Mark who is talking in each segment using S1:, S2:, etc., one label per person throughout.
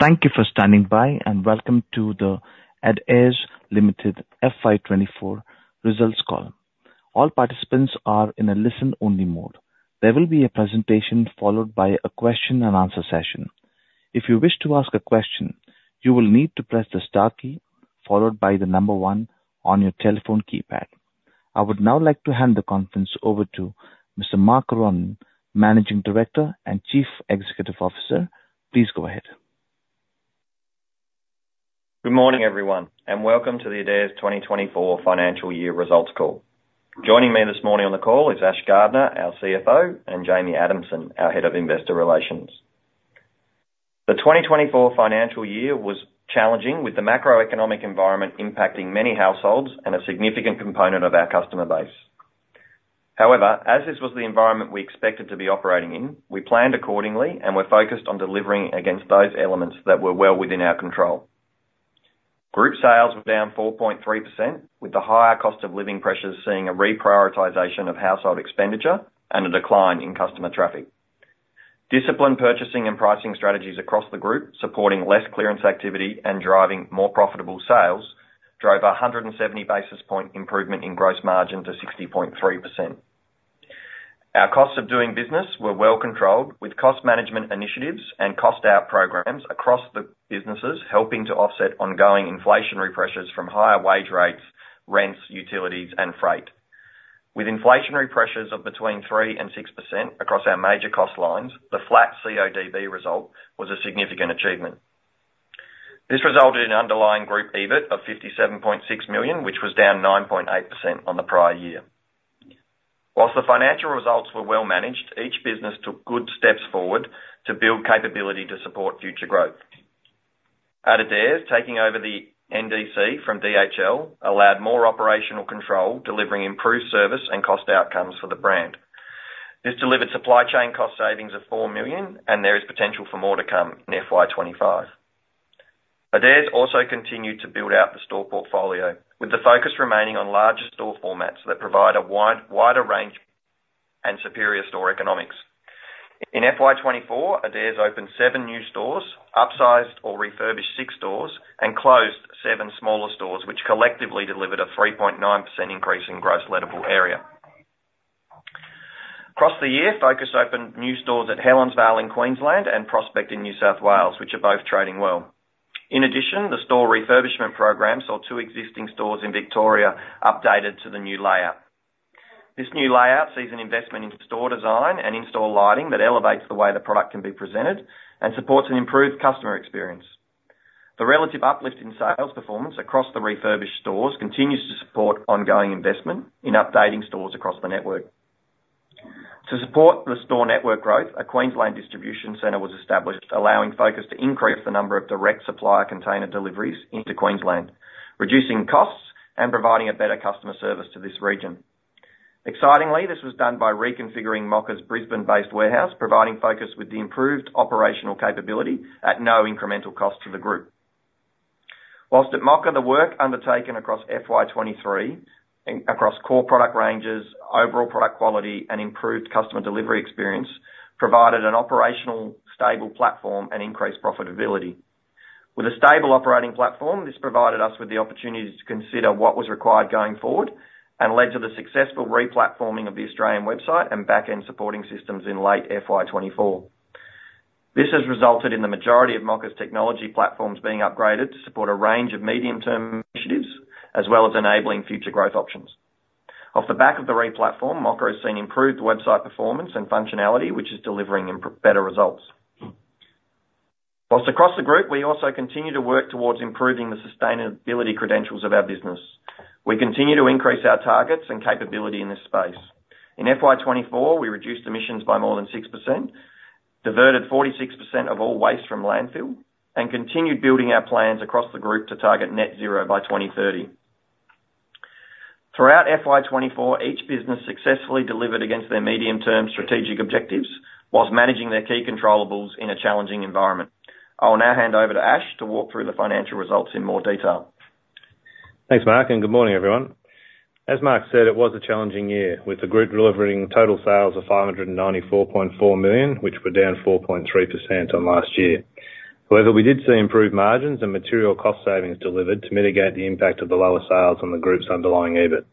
S1: Thank you for standing by, and welcome to the Adairs Limited FY twenty-four results call. All participants are in a listen-only mode. There will be a presentation followed by a question and answer session. If you wish to ask a question, you will need to press the star key, followed by the number one on your telephone keypad. I would now like to hand the conference over to Mr. Mark Ronan, Managing Director and Chief Executive Officer. Please go ahead.
S2: Good morning, everyone, and welcome to the Adairs 2024 financial year results call. Joining me this morning on the call is Ash Gardner, our CFO, and Jamie Adamson, our Head of Investor Relations. The 2024 financial year was challenging, with the macroeconomic environment impacting many households and a significant component of our customer base. However, as this was the environment we expected to be operating in, we planned accordingly and were focused on delivering against those elements that were well within our control. Group sales were down 4.3%, with the higher cost of living pressures seeing a reprioritization of household expenditure and a decline in customer traffic. Disciplined purchasing and pricing strategies across the group, supporting less clearance activity and driving more profitable sales, drove a 170 basis point improvement in gross margin to 60.3%. Our costs of doing business were well controlled, with cost management initiatives and cost out programs across the businesses, helping to offset ongoing inflationary pressures from higher wage rates, rents, utilities, and freight. With inflationary pressures of between 3% and 6% across our major cost lines, the flat CODB result was a significant achievement. This resulted in an underlying group EBIT of 57.6 million, which was down 9.8% on the prior year. While the financial results were well managed, each business took good steps forward to build capability to support future growth. At Adairs, taking over the NDC from DHL allowed more operational control, delivering improved service and cost outcomes for the brand. This delivered supply chain cost savings of 4 million, and there is potential for more to come in FY25. Adairs also continued to build out the store portfolio, with the focus remaining on larger store formats that provide a wider range and superior store economics. In FY24, Adairs opened seven new stores, upsized or refurbished six stores, and closed seven smaller stores, which collectively delivered a 3.9% increase in gross lettable area. Across the year, Focus opened new stores at Helensvale in Queensland and Prospect in New South Wales, which are both trading well. In addition, the store refurbishment program saw two existing stores in Victoria updated to the new layout. This new layout sees an investment in store design and in-store lighting that elevates the way the product can be presented and supports an improved customer experience. The relative uplift in sales performance across the refurbished stores continues to support ongoing investment in updating stores across the network. To support the store network growth, a Queensland distribution center was established, allowing Focus to increase the number of direct supplier container deliveries into Queensland, reducing costs and providing a better customer service to this region. Excitingly, this was done by reconfiguring Mocka's Brisbane-based warehouse, providing Focus with the improved operational capability at no incremental cost to the group. While at Mocka, the work undertaken across FY 2023, and across core product ranges, overall product quality, and improved customer delivery experience, provided an operational, stable platform and increased profitability. With a stable operating platform, this provided us with the opportunities to consider what was required going forward and led to the successful re-platforming of the Australian website and back-end supporting systems in late FY 2024. This has resulted in the majority of Mocka's technology platforms being upgraded to support a range of medium-term initiatives, as well as enabling future growth options. Off the back of the re-platform, Mocka has seen improved website performance and functionality, which is delivering better results. While across the group, we also continue to work towards improving the sustainability credentials of our business. We continue to increase our targets and capability in this space. In FY24, we reduced emissions by more than 6%, diverted 46% of all waste from landfill, and continued building our plans across the group to target net zero by 2030. Throughout FY24, each business successfully delivered against their medium-term strategic objectives while managing their key controllables in a challenging environment. I will now hand over to Ash to walk through the financial results in more detail.
S3: Thanks, Mark, and good morning, everyone. As Mark said, it was a challenging year, with the group delivering total sales of 594.4 million, which were down 4.3% on last year. However, we did see improved margins and material cost savings delivered to mitigate the impact of the lower sales on the group's underlying EBIT.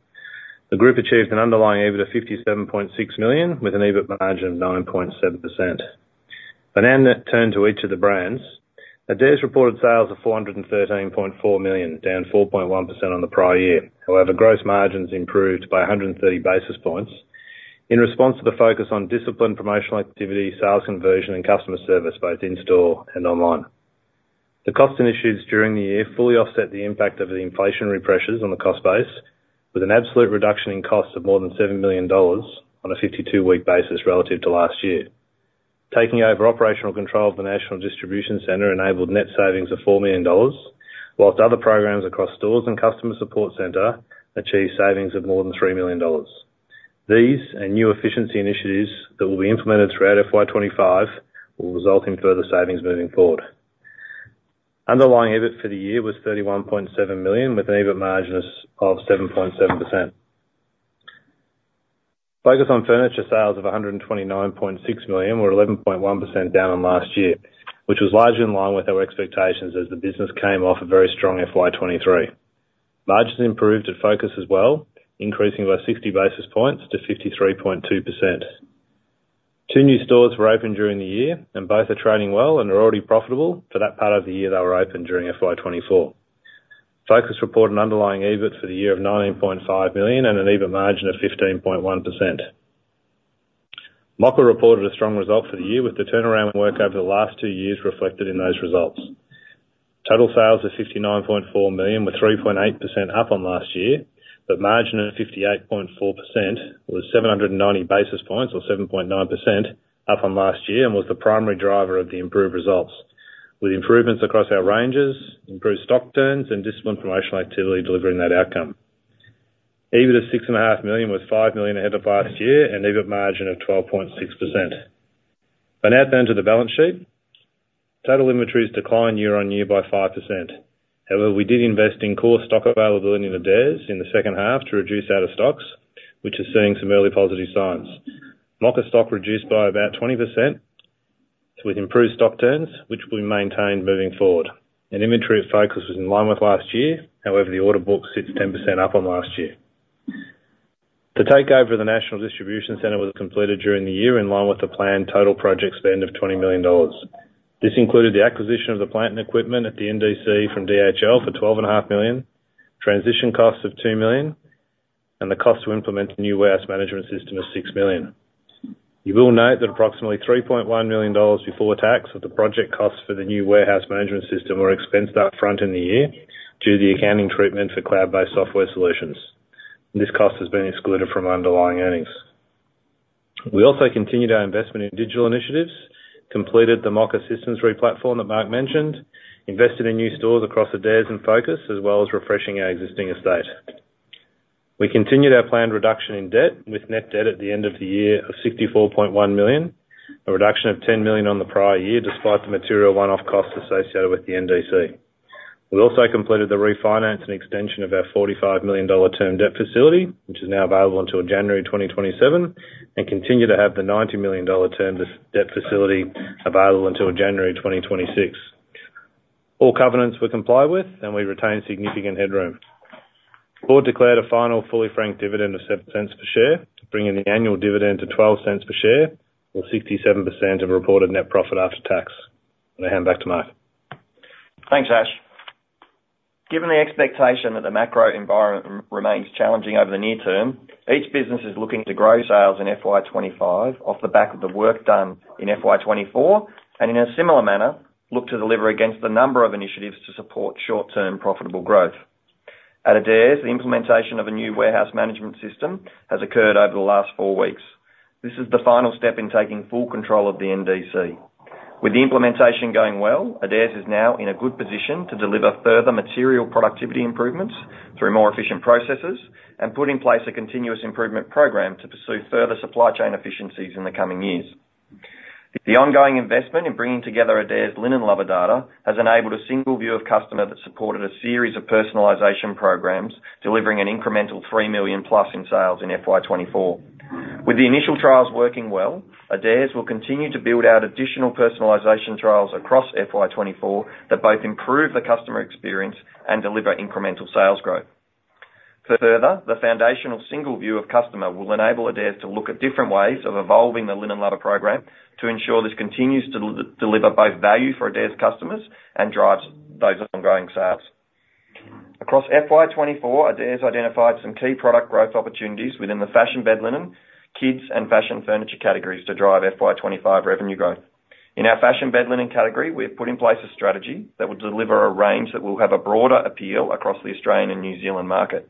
S3: The group achieved an underlying EBIT of 57.6 million, with an EBIT margin of 9.7%. But now let's turn to each of the brands. Adairs reported sales of 413.4 million, down 4.1% on the prior year. However, gross margins improved by 130 basis points in response to the focus on disciplined promotional activity, sales conversion, and customer service, both in-store and online. The costing initiatives during the year fully offset the impact of the inflationary pressures on the cost base, with an absolute reduction in costs of more than 7 million dollars on a 52-week basis relative to last year. Taking over operational control of the National Distribution Center enabled net savings of 4 million dollars, whilst other programs across stores and customer support center achieved savings of more than 3 million dollars. These and new efficiency initiatives that will be implemented throughout FY25 will result in further savings moving forward. Underlying EBIT for the year was 31.7 million, with an EBIT margin of 7.7%. Focus on Furniture sales of 129.6 million, or 11.1% down on last year, which was largely in line with our expectations as the business came off a very strong FY23. Margins improved at Focus as well, increasing by 60 basis points to 53.2%. Two new stores were opened during the year, and both are trading well and are already profitable for that part of the year they were opened during FY 2024. Focus reported an underlying EBIT for the year of 19.5 million and an EBIT margin of 15.1%. Mocka reported a strong result for the year, with the turnaround work over the last two years reflected in those results. Total sales are 69.4 million, with 3.8% up on last year, but margin at 58.4% was 790 basis points, or 7.9% up on last year, and was the primary driver of the improved results, with improvements across our ranges, improved stock turns, and disciplined promotional activity delivering that outcome. EBIT of 6.5 million was 5 million ahead of last year, and EBIT margin of 12.6%. But now down to the balance sheet. Total inventories declined year-on-year by 5%. However, we did invest in core stock availability in Adairs in the second half to reduce out-of-stocks, which is seeing some early positive signs. Mocka stock reduced by about 20%, with improved stock turns, which will be maintained moving forward. Inventory at Focus was in line with last year, however, the order book sits 10% up on last year. The takeover of the National Distribution Center was completed during the year, in line with the planned total project spend of AUD 20 million. This included the acquisition of the plant and equipment at the NDC from DHL for AUD 12.5 million, transition costs of AUD 2 million, and the cost to implement the new warehouse management system of AUD 6 million. You will note that approximately AUD 3.1 million before tax, of the project costs for the new warehouse management system were expensed up front in the year, due to the accounting treatment for cloud-based software solutions. This cost has been excluded from underlying earnings. We also continued our investment in digital initiatives, completed the Mocka systems replatform that Mark mentioned, invested in new stores across Adairs and Focus, as well as refreshing our existing estate. We continued our planned reduction in debt, with net debt at the end of the year of 64.1 million, a reduction of 10 million on the prior year, despite the material one-off costs associated with the NDC. We also completed the refinance and extension of our 45 million dollar term debt facility, which is now available until January 2027, and continue to have the 90 million dollar term debt facility available until January 2026. All covenants were complied with, and we retained significant headroom. The board declared a final fully franked dividend of 0.07 per share, bringing the annual dividend to 0.12 per share, or 67% of reported net profit after tax I'm gonna hand back to Mark.
S2: Thanks, Ash. Given the expectation that the macro environment remains challenging over the near term, each business is looking to grow sales in FY twenty-five off the back of the work done in FY twenty-four, and in a similar manner, look to deliver against a number of initiatives to support short-term profitable growth. At Adairs, the implementation of a new warehouse management system has occurred over the last four weeks. This is the final step in taking full control of the NDC. With the implementation going well, Adairs is now in a good position to deliver further material productivity improvements through more efficient processes and put in place a continuous improvement program to pursue further supply chain efficiencies in the coming years. The ongoing investment in bringing together Adairs' Linen Lover data has enabled a single view of customer that supported a series of personalization programs, delivering an incremental 3 million plus in sales in FY 2024. With the initial trials working well, Adairs will continue to build out additional personalization trials across FY 2024 that both improve the customer experience and deliver incremental sales growth. Further, the foundational single view of customer will enable Adairs to look at different ways of evolving the Linen Lover program to ensure this continues to deliver both value for Adairs customers and drives those ongoing sales. Across FY 2024, Adairs identified some key product growth opportunities within the fashion bed linen, kids, and fashion furniture categories to drive FY 2025 revenue growth. In our fashion bed linen category, we have put in place a strategy that will deliver a range that will have a broader appeal across the Australian and New Zealand market.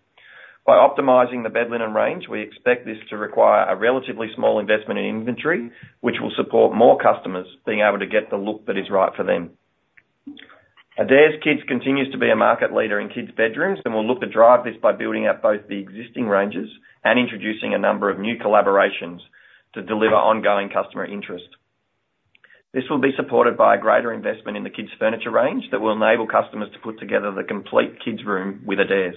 S2: By optimizing the bed linen range, we expect this to require a relatively small investment in inventory, which will support more customers being able to get the look that is right for them. Adairs Kids continues to be a market leader in kids' bedrooms, and we'll look to drive this by building out both the existing ranges and introducing a number of new collaborations to deliver ongoing customer interest. This will be supported by a greater investment in the kids' furniture range that will enable customers to put together the complete kids' room with Adairs.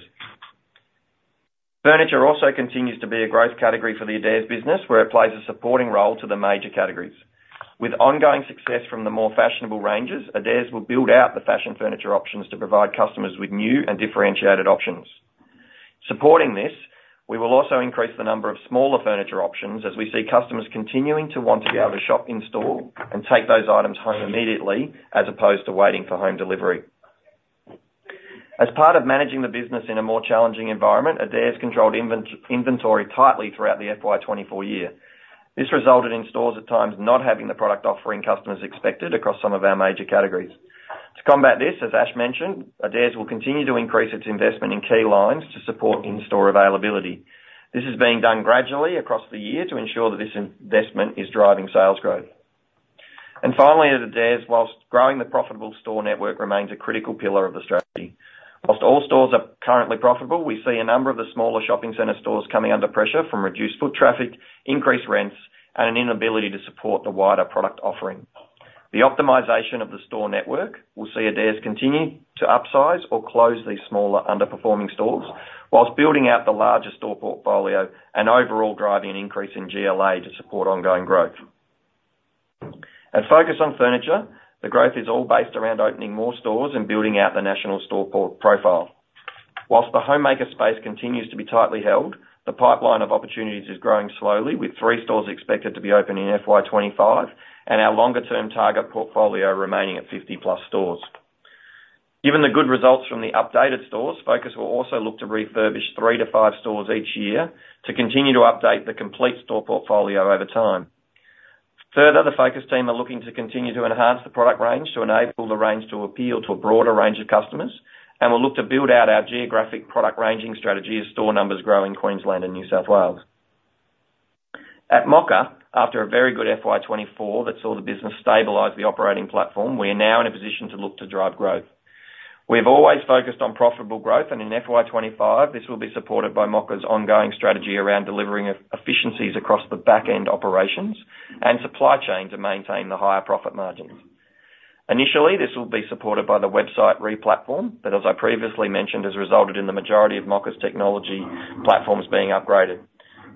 S2: Furniture also continues to be a growth category for the Adairs business, where it plays a supporting role to the major categories. With ongoing success from the more fashionable ranges, Adairs will build out the fashion furniture options to provide customers with new and differentiated options. Supporting this, we will also increase the number of smaller furniture options as we see customers continuing to want to be able to shop in-store and take those items home immediately, as opposed to waiting for home delivery. As part of managing the business in a more challenging environment, Adairs controlled inventory tightly throughout the FY 2024 year. This resulted in stores at times not having the product offering customers expected across some of our major categories. To combat this, as Ash mentioned, Adairs will continue to increase its investment in key lines to support in-store availability. This is being done gradually across the year to ensure that this investment is driving sales growth. Finally, at Adairs, while growing the profitable store network remains a critical pillar of the strategy. While all stores are currently profitable, we see a number of the smaller shopping center stores coming under pressure from reduced foot traffic, increased rents, and an inability to support the wider product offering. The optimization of the store network will see Adairs continue to upsize or close these smaller, underperforming stores, while building out the larger store portfolio and overall driving an increase in GLA to support ongoing growth. At Focus on Furniture, the growth is all based around opening more stores and building out the national store profile. While the homemaker space continues to be tightly held, the pipeline of opportunities is growing slowly, with three stores expected to be open in FY twenty-five, and our longer-term target portfolio remaining at fifty-plus stores. Given the good results from the updated stores, Focus will also look to refurbish three to five stores each year to continue to update the complete store portfolio over time. Further, the Focus team are looking to continue to enhance the product range to enable the range to appeal to a broader range of customers, and will look to build out our geographic product ranging strategy as store numbers grow in Queensland and New South Wales. At Mocka, after a very good FY24 that saw the business stabilize the operating platform, we are now in a position to look to drive growth. We've always focused on profitable growth, and in FY25, this will be supported by Mocka's ongoing strategy around delivering efficiencies across the back-end operations and supply chain to maintain the higher profit margins. Initially, this will be supported by the website replatform, that, as I previously mentioned, has resulted in the majority of Mocka's technology platforms being upgraded.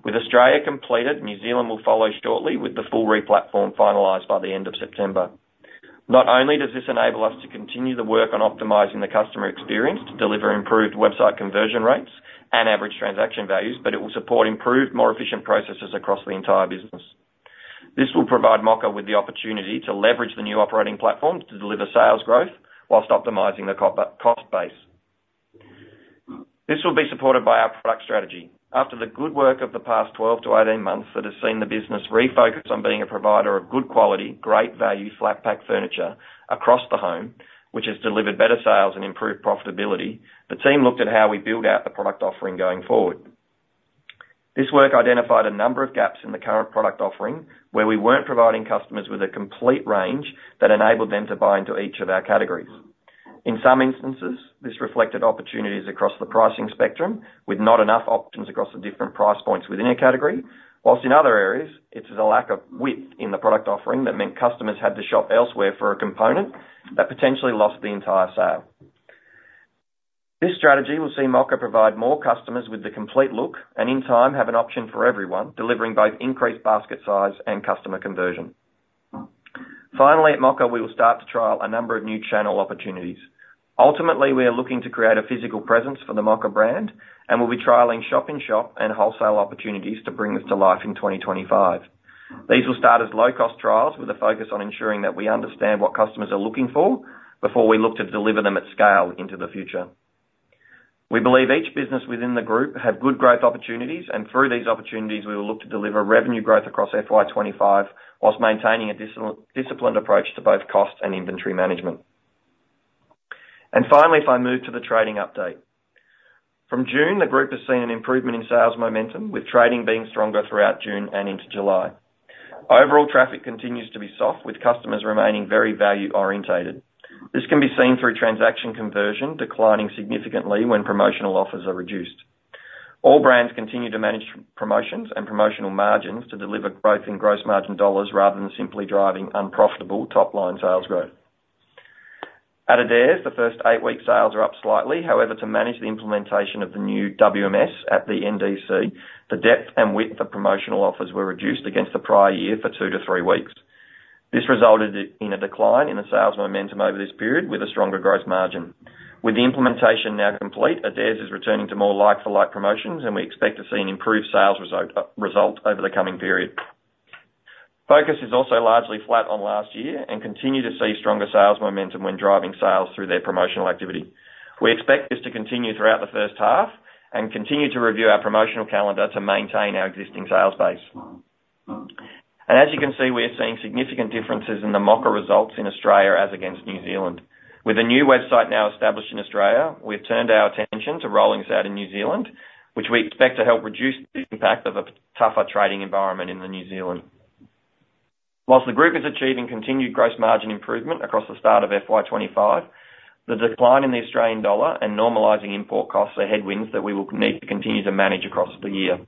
S2: With Australia completed, New Zealand will follow shortly, with the full replatform finalized by the end of September. Not only does this enable us to continue the work on optimizing the customer experience to deliver improved website conversion rates and average transaction values, but it will support improved, more efficient processes across the entire business. This will provide Mocka with the opportunity to leverage the new operating platform to deliver sales growth while optimizing the cost base. This will be supported by our product strategy. After the good work of the past twelve to eighteen months that has seen the business refocus on being a provider of good quality, great value, flat pack furniture across the home, which has delivered better sales and improved profitability, the team looked at how we build out the product offering going forward. This work identified a number of gaps in the current product offering, where we weren't providing customers with a complete range that enabled them to buy into each of our categories. In some instances, this reflected opportunities across the pricing spectrum, with not enough options across the different price points within a category, whilst in other areas it's the lack of width in the product offering that meant customers had to shop elsewhere for a component that potentially lost the entire sale. This strategy will see Mocka provide more customers with the complete look, and in time, have an option for everyone, delivering both increased basket size and customer conversion. Finally, at Mocka, we will start to trial a number of new channel opportunities. Ultimately, we are looking to create a physical presence for the Mocka brand, and we'll be trialing shop-in-shop and wholesale opportunities to bring this to life in twenty twenty-five. These will start as low-cost trials with a focus on ensuring that we understand what customers are looking for before we look to deliver them at scale into the future. We believe each business within the group have good growth opportunities, and through these opportunities, we will look to deliver revenue growth across FY twenty-five, while maintaining a disciplined approach to both cost and inventory management. And finally, if I move to the trading update. From June, the group has seen an improvement in sales momentum, with trading being stronger throughout June and into July. Overall traffic continues to be soft, with customers remaining very value-oriented. This can be seen through transaction conversion, declining significantly when promotional offers are reduced. All brands continue to manage promotions and promotional margins to deliver growth in gross margin dollars, rather than simply driving unprofitable top-line sales growth. At Adairs, the first eight weeks sales are up slightly. However, to manage the implementation of the new WMS at the NDC, the depth and width of promotional offers were reduced against the prior year for two to three weeks. This resulted in a decline in the sales momentum over this period, with a stronger gross margin. With the implementation now complete, Adairs is returning to more like-for-like promotions, and we expect to see an improved sales result over the coming period. Focus is also largely flat on last year and continue to see stronger sales momentum when driving sales through their promotional activity. We expect this to continue throughout the first half and continue to review our promotional calendar to maintain our existing sales base. As you can see, we are seeing significant differences in the Mocka results in Australia as against New Zealand. With a new website now established in Australia, we've turned our attention to rolling this out in New Zealand, which we expect to help reduce the impact of a tougher trading environment in New Zealand. While the group is achieving continued gross margin improvement across the start of FY25, the decline in the Australian dollar and normalizing import costs are headwinds that we will need to continue to manage across the year.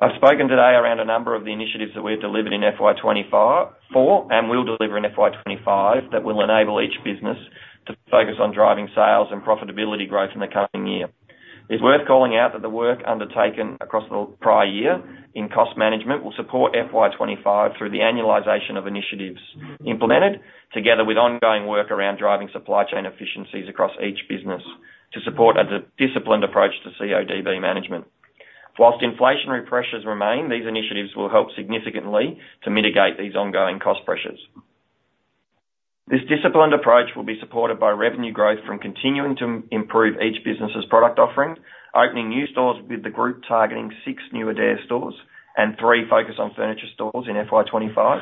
S2: I've spoken today around a number of the initiatives that we've delivered in FY24, and we'll deliver in FY25, that will enable each business to focus on driving sales and profitability growth in the coming year. It's worth calling out that the work undertaken across the prior year in cost management will support FY25 through the annualization of initiatives implemented, together with ongoing work around driving supply chain efficiencies across each business to support a disciplined approach to CODB management. While inflationary pressures remain, these initiatives will help significantly to mitigate these ongoing cost pressures. This disciplined approach will be supported by revenue growth from continuing to improve each business' product offering, opening new stores with the group targeting six new Adairs stores and three Focus on Furniture stores in FY twenty-five,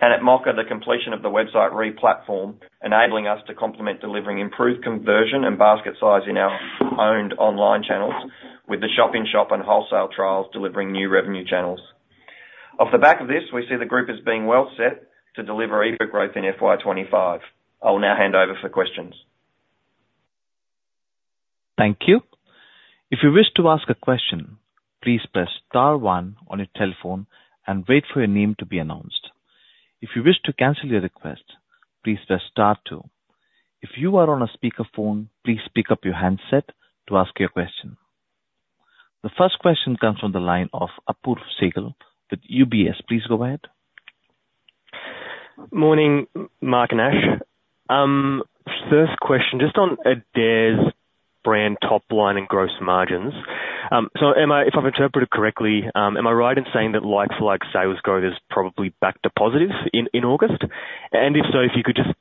S2: and at Mocka, the completion of the website replatform, enabling us to complement delivering improved conversion and basket size in our owned online channels, with the shop-in-shop and wholesale trials delivering new revenue channels. Off the back of this, we see the group as being well set to deliver EBIT growth in FY twenty-five. I will now hand over for questions....
S1: Thank you. If you wish to ask a question, please press star one on your telephone and wait for your name to be announced. If you wish to cancel your request, please press star two. If you are on a speakerphone, please pick up your handset to ask your question. The first question comes from the line of Apoorv Sehgal with UBS. Please go ahead.
S4: Morning, Mark and Ash. First question, just on Adairs' brand top line and gross margins. So am I if I've interpreted correctly, am I right in saying that like-for-like sales growth is probably back to positive in August? And if so, if you could just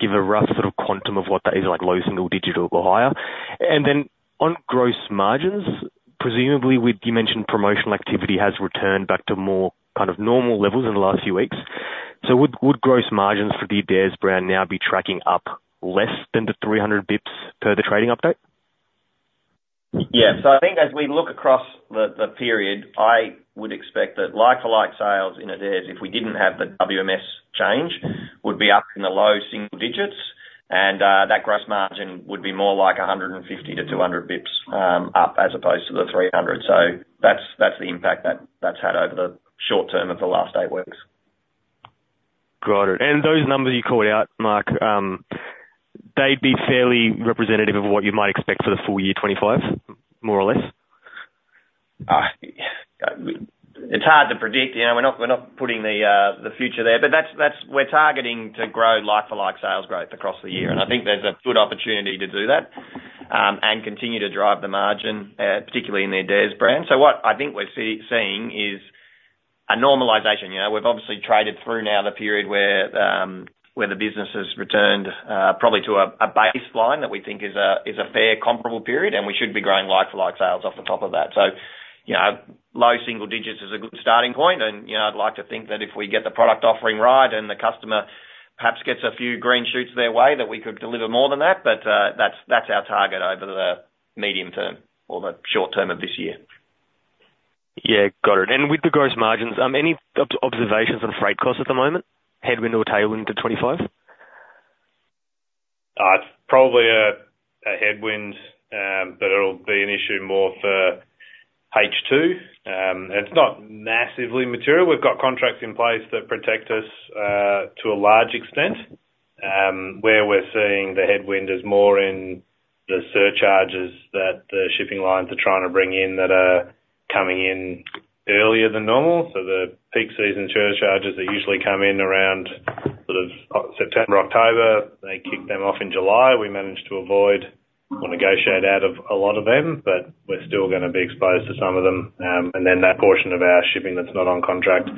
S4: give a rough sort of quantum of what that is, like, low single digit or higher. And then on gross margins, presumably with... You mentioned promotional activity has returned back to more kind of normal levels in the last few weeks. So would gross margins for the Adairs brand now be tracking up less than the 300 basis points per the trading update?
S2: Yeah. So I think as we look across the period, I would expect that like-for-like sales in Adairs, if we didn't have the WMS change, would be up in the low single digits, and that gross margin would be more like 150 to 200 basis points up, as opposed to the 300. So that's the impact that that's had over the short term of the last eight weeks.
S4: Got it. And those numbers you called out, Mark, they'd be fairly representative of what you might expect for the full year 2025, more or less?
S2: It's hard to predict, you know. We're not putting the future there, but that's. We're targeting to grow like-for-like sales growth across the year, and I think there's a good opportunity to do that, and continue to drive the margin, particularly in the Adairs brand. So what I think we're seeing is a normalization. You know, we've obviously traded through now the period where the business has returned, probably to a baseline that we think is a fair, comparable period, and we should be growing like-for-like sales off the top of that. So, you know, low single digits is a good starting point, and, you know, I'd like to think that if we get the product offering right, and the customer perhaps gets a few green shoots their way, that we could deliver more than that, but, that's our target over the medium term or the short term of this year.
S4: Yeah, got it. And with the gross margins, any observations on freight costs at the moment, headwind or tailwind to 'twenty-five?
S2: It's probably a headwind, but it'll be an issue more for H2. It's not massively material. We've got contracts in place that protect us to a large extent. Where we're seeing the headwind is more in the surcharges that the shipping lines are trying to bring in, that are coming in earlier than normal. So the peak season surcharges that usually come in around sort of September, October, they kick them off in July. We managed to avoid or negotiate out of a lot of them, but we're still gonna be exposed to some of them. And then that portion of our shipping that's not on contract,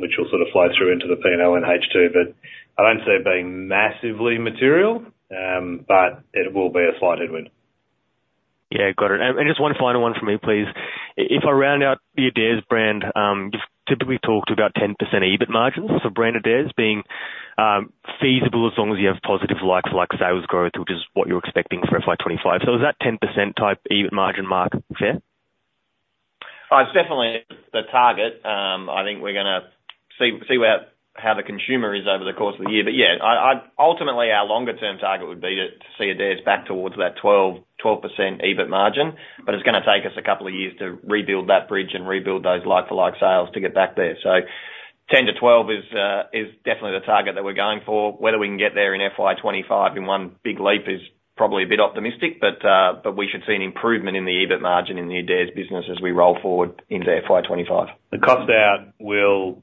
S2: which will sort of flow through into the P&L in H2, but I don't see it being massively material, but it will be a slight headwind.
S4: Yeah. Got it. And just one final one for me, please. If I round out the Adairs brand, you've typically talked about 10% EBIT margins for brand Adairs being feasible, as long as you have positive like-for-like sales growth, which is what you're expecting for FY25. So is that 10% type EBIT margin mark fair?
S2: It's definitely the target. I think we're gonna see where how the consumer is over the course of the year. But yeah, ultimately, our longer term target would be to see Adairs back towards that 12% EBIT margin, but it's gonna take us a couple of years to rebuild that bridge and rebuild those like-for-like sales to get back there. So 10-12% is definitely the target that we're going for. Whether we can get there in FY25 in one big leap is probably a bit optimistic, but we should see an improvement in the EBIT margin in the Adairs business as we roll forward into FY25. The cost out will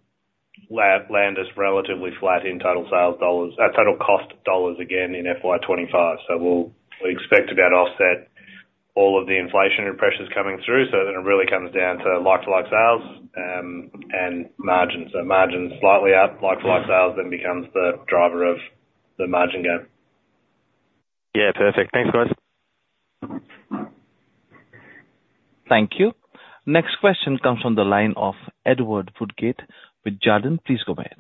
S2: land us relatively flat in total sales dollars, total cost dollars again in FY25. So we expect to about offset all of the inflationary pressures coming through, so then it really comes down to like-for-like sales, and margins. So margins slightly up, like-for-like sales then becomes the driver of the margin gain.
S4: Yeah. Perfect. Thanks, guys.
S1: Thank you. Next question comes from the line of Edward Woodgate with Jarden. Please go ahead.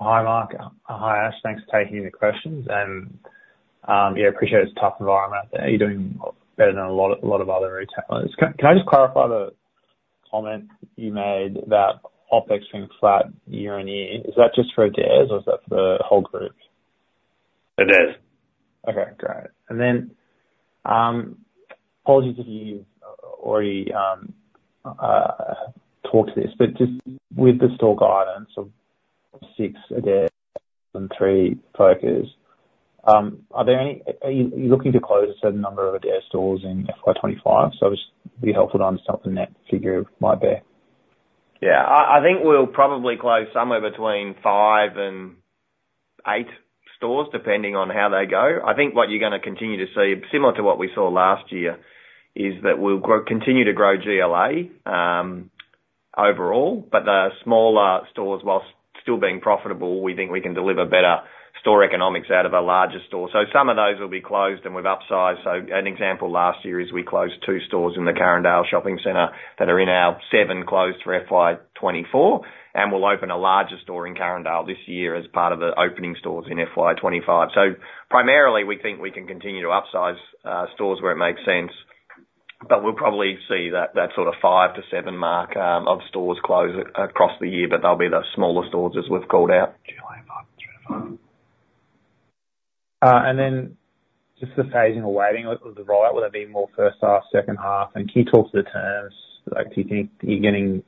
S5: Hi, Mark. Hi, Ash. Thanks for taking the questions, and, yeah, appreciate it's a tough environment out there. You're doing better than a lot of other retailers. Can I just clarify the comment you made about OpEx being flat year on year? Is that just for Adairs, or is that for the whole group?
S2: Adairs.
S5: Okay, great. And then, apologies if you've already talked to this, but just with the store guidance of six Adairs and three Focus, are you looking to close a certain number of Adairs stores in FY twenty-five? So just be helpful to understand what that figure might be.
S2: Yeah. I think we'll probably close somewhere between five and eight stores, depending on how they go. I think what you're gonna continue to see, similar to what we saw last year, is that we'll continue to grow GLA overall, but the smaller stores, whilst still being profitable, we think we can deliver better store economics out of a larger store. So some of those will be closed, and we've upsized. So an example last year is we closed two stores in the Carindale Shopping Centre that are in our seven closed for FY24, and we'll open a larger store in Carindale this year as part of the opening stores in FY25. So primarily, we think we can continue to upsize stores where it makes sense. But we'll probably see that, that sort of five to seven mark of stores close across the year, but they'll be the smaller stores, as we've called out.
S5: And then just the phasing or weighting of the rent, will that be more first half, second half? And can you talk to the terms, like, do you think you're getting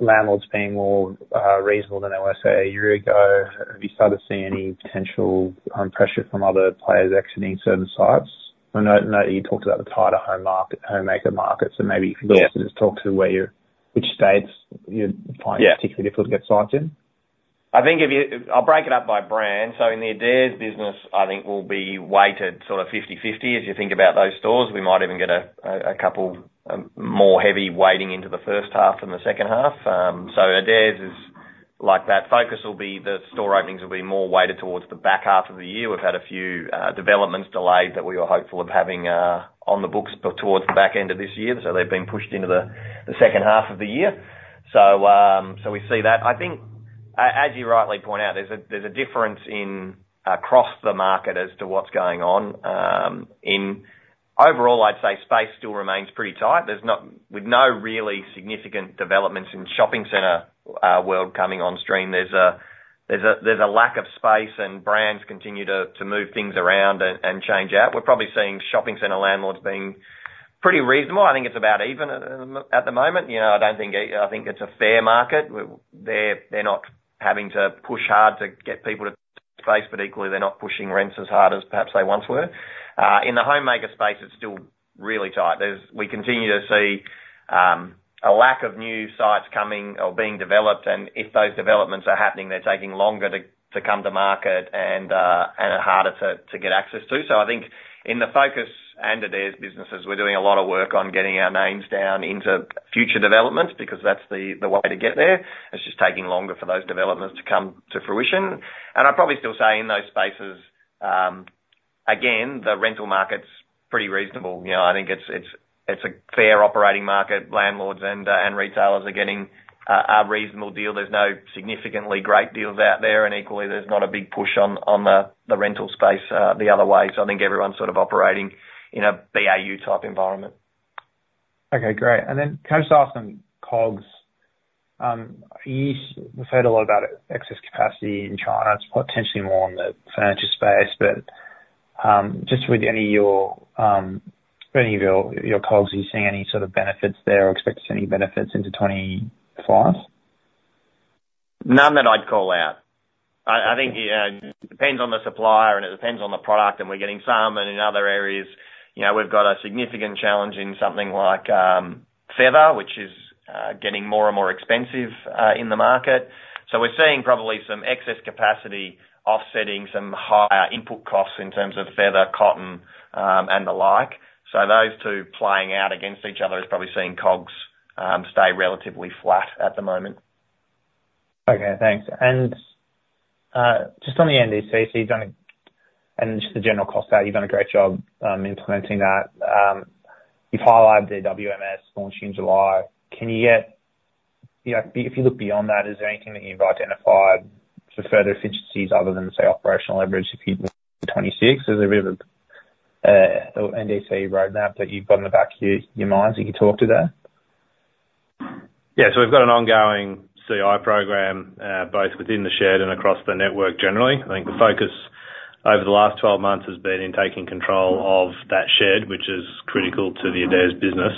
S5: landlords being more reasonable than let's say a year ago? Have you started to see any potential pressure from other players exiting certain sites? I know, I know that you talked about the tighter home market, Homemaker market, so maybe-
S2: Yeah
S5: If you could just talk to which states you're-
S2: Yeah
S5: Finding particularly difficult to get sites in.
S2: I think if you, I'll break it up by brand. So in the Adairs business, I think we'll be weighted sort of fifty/fifty. As you think about those stores, we might even get a couple more heavy weighting into the first half than the second half. So Adairs is like that. Focus will be, the store openings will be more weighted towards the back half of the year. We've had a few developments delayed that we were hopeful of having on the books towards the back end of this year, so they've been pushed into the second half of the year. So we see that. I think as you rightly point out, there's a difference across the market as to what's going on in. Overall, I'd say space still remains pretty tight. With no really significant developments in the shopping center world coming on stream, there's a lack of space, and brands continue to move things around and change out. We're probably seeing shopping center landlords being pretty reasonable. I think it's about even at the moment. You know, I don't think I think it's a fair market. They're not having to push hard to get people to space, but equally, they're not pushing rents as hard as perhaps they once were. In the Homemaker space, it's still really tight. We continue to see a lack of new sites coming or being developed, and if those developments are happening, they're taking longer to come to market and are harder to get access to. So I think in the Focus and Adairs businesses, we're doing a lot of work on getting our names down into future developments, because that's the way to get there. It's just taking longer for those developments to come to fruition. And I'd probably still say in those spaces, again, the rental market's pretty reasonable. You know, I think it's a fair operating market. Landlords and retailers are getting a reasonable deal. There's no significantly great deals out there, and equally, there's not a big push on the rental space the other way. So I think everyone's sort of operating in a BAU-type environment.
S5: Okay, great. And then can I just ask on COGS, you said a lot about excess capacity in China. It's potentially more on the financial space, but, just with any of your COGS, are you seeing any sort of benefits there or expect to see any benefits into '25?
S2: None that I'd call out. I think depends on the supplier, and it depends on the product, and we're getting some, and in other areas, you know, we've got a significant challenge in something like feather, which is getting more and more expensive in the market. So we're seeing probably some excess capacity offsetting some higher input costs in terms of feather, cotton, and the like. So those two playing out against each other is probably seeing COGS stay relatively flat at the moment.
S5: Okay, thanks. And just on the NDC, you've done a great job implementing that. You've highlighted the WMS launched in July. Can you-- you know, if you look beyond that, is there anything that you've identified for further efficiencies other than, say, operational leverage if you... '26? Is there a bit of a NDC roadmap that you've got in the back of your minds that you can talk to that?
S2: Yeah, so we've got an ongoing CI program both within the shed and across the network generally. I think the focus over the last 12 months has been in taking control of that shed, which is critical to the Adairs business.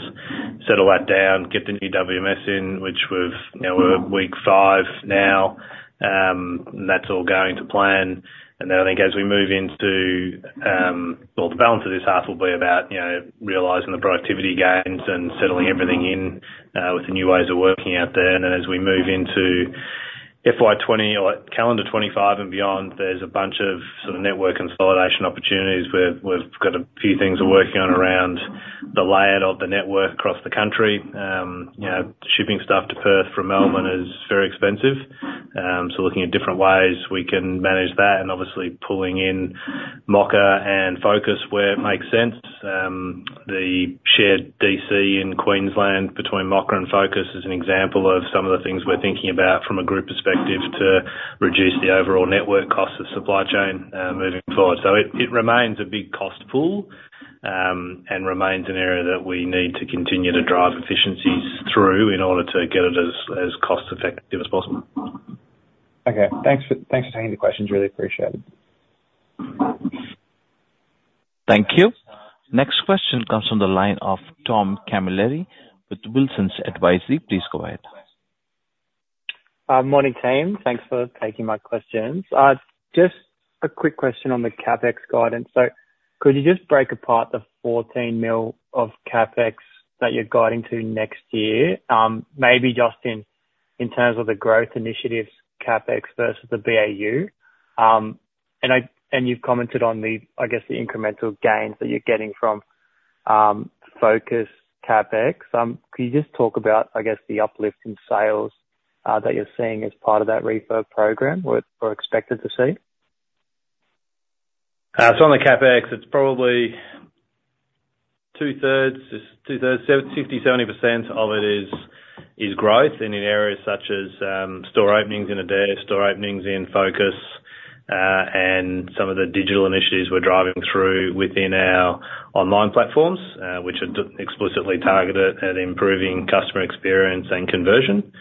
S2: Settle that down, get the new WMS in, which we've, you know, we're week five now, and that's all going to plan. And then I think as we move into... Well, the balance of this half will be about, you know, realizing the productivity gains and settling everything in with the new ways of working out there. And then as we move into FY twenty or calendar 2025 and beyond, there's a bunch of sort of network consolidation opportunities where we've got a few things we're working on around the layout of the network across the country. You know, shipping stuff to Perth from Melbourne is very expensive, so looking at different ways we can manage that, and obviously pulling in Mocka and Focus where it makes sense. The shared DC in Queensland between Mocka and Focus is an example of some of the things we're thinking about from a group perspective to reduce the overall network cost of supply chain, moving forward. So it remains a big cost pool, and remains an area that we need to continue to drive efficiencies through in order to get it as cost effective as possible.
S5: Okay, thanks for taking the questions. Really appreciate it.
S1: Thank you. Next question comes from the line of Tom Camilleri with Wilsons Advisory. Please go ahead.
S6: Morning, team. Thanks for taking my questions. Just a quick question on the CapEx guidance. So could you just break apart the 14 million of CapEx that you're guiding to next year, maybe just in terms of the growth initiatives, CapEx versus the BAU? And you've commented on the, I guess, the incremental gains that you're getting from Focus CapEx. Can you just talk about, I guess, the uplift in sales that you're seeing as part of that refurb program or expected to see?
S3: On the CapEx, it's probably two-thirds, 70% of it is growth, and in areas such as store openings in Adairs, store openings in Focus. And some of the digital initiatives we're driving through within our online platforms, which are explicitly targeted at improving customer experience and conversion.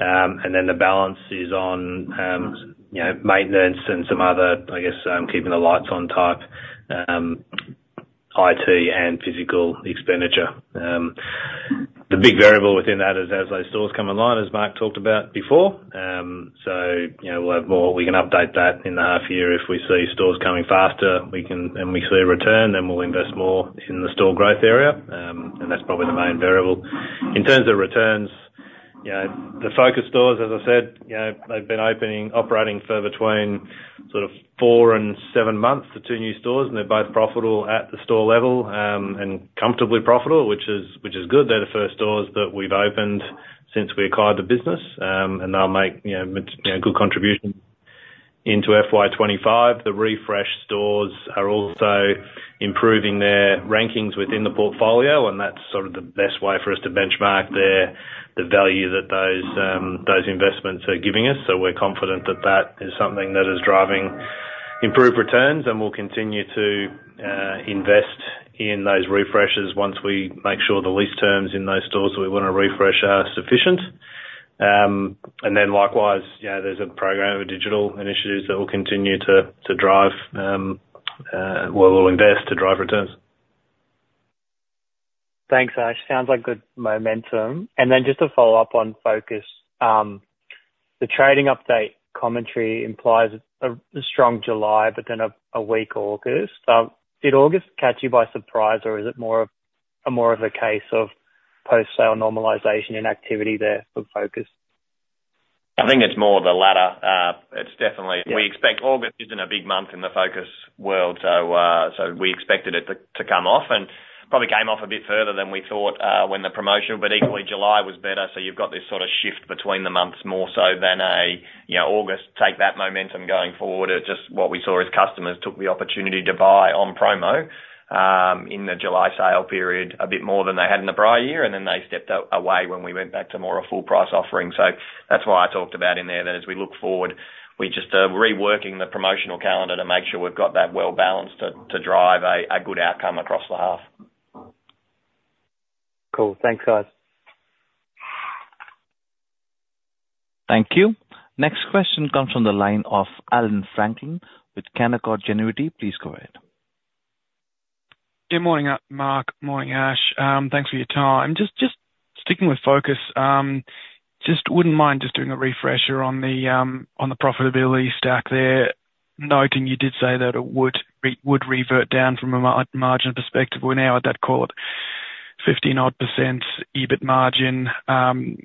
S3: And then the balance is on, you know, maintenance and some other, I guess, keeping the lights on type, IT and physical expenditure. The big variable within that is as those stores come online, as Mark talked about before, so, you know, we'll have more. We can update that in the half year if we see stores coming faster, we can and we see a return, then we'll invest more in the store growth area. And that's probably the main variable. In terms of returns, you know, the Focus stores, as I said, you know, they've been opening, operating for between sort of four and seven months, the two new stores, and they're both profitable at the store level, and comfortably profitable, which is, which is good. They're the first stores that we've opened since we acquired the business, and they'll make, you know, good contribution into FY 2025. The refresh stores are also improving their rankings within the portfolio, and that's sort of the best way for us to benchmark their, the value that those, those investments are giving us. So we're confident that that is something that is driving improved returns, and we'll continue to invest in those refreshes once we make sure the lease terms in those stores we want to refresh are sufficient. And then likewise, you know, there's a program of digital initiatives that will continue to drive, well, we'll invest to drive returns.
S6: Thanks, Ash. Sounds like good momentum. Then just to follow up on Focus. The trading update commentary implies a strong July, but then a weak August. Did August catch you by surprise, or is it more of a case of post-sale normalization in activity there for Focus?
S2: I think it's more of the latter. It's definitely-
S6: Yeah.
S2: We expect August isn't a big month in the Focus world, so we expected it to come off, and probably came off a bit further than we thought, when the promotion. But equally, July was better, so you've got this sort of shift between the months, more so than a, you know, August, take that momentum going forward. It's just what we saw as customers took the opportunity to buy on promo in the July sale period, a bit more than they had in the prior year, and then they stepped away when we went back to more a full price offering. So that's why I talked about in there, that as we look forward, we're just reworking the promotional calendar to make sure we've got that well balanced to drive a good outcome across the half. Cool. Thanks, guys.
S1: Thank you. Next question comes from the line of Allan Franklin with Canaccord Genuity. Please go ahead.
S7: Good morning, Mark. Morning, Ash. Thanks for your time. Just sticking with Focus, just wouldn't mind doing a refresher on the profitability stack there. Noting you did say that it would revert down from a margin perspective. We're now at that, call it 15-odd% EBIT margin.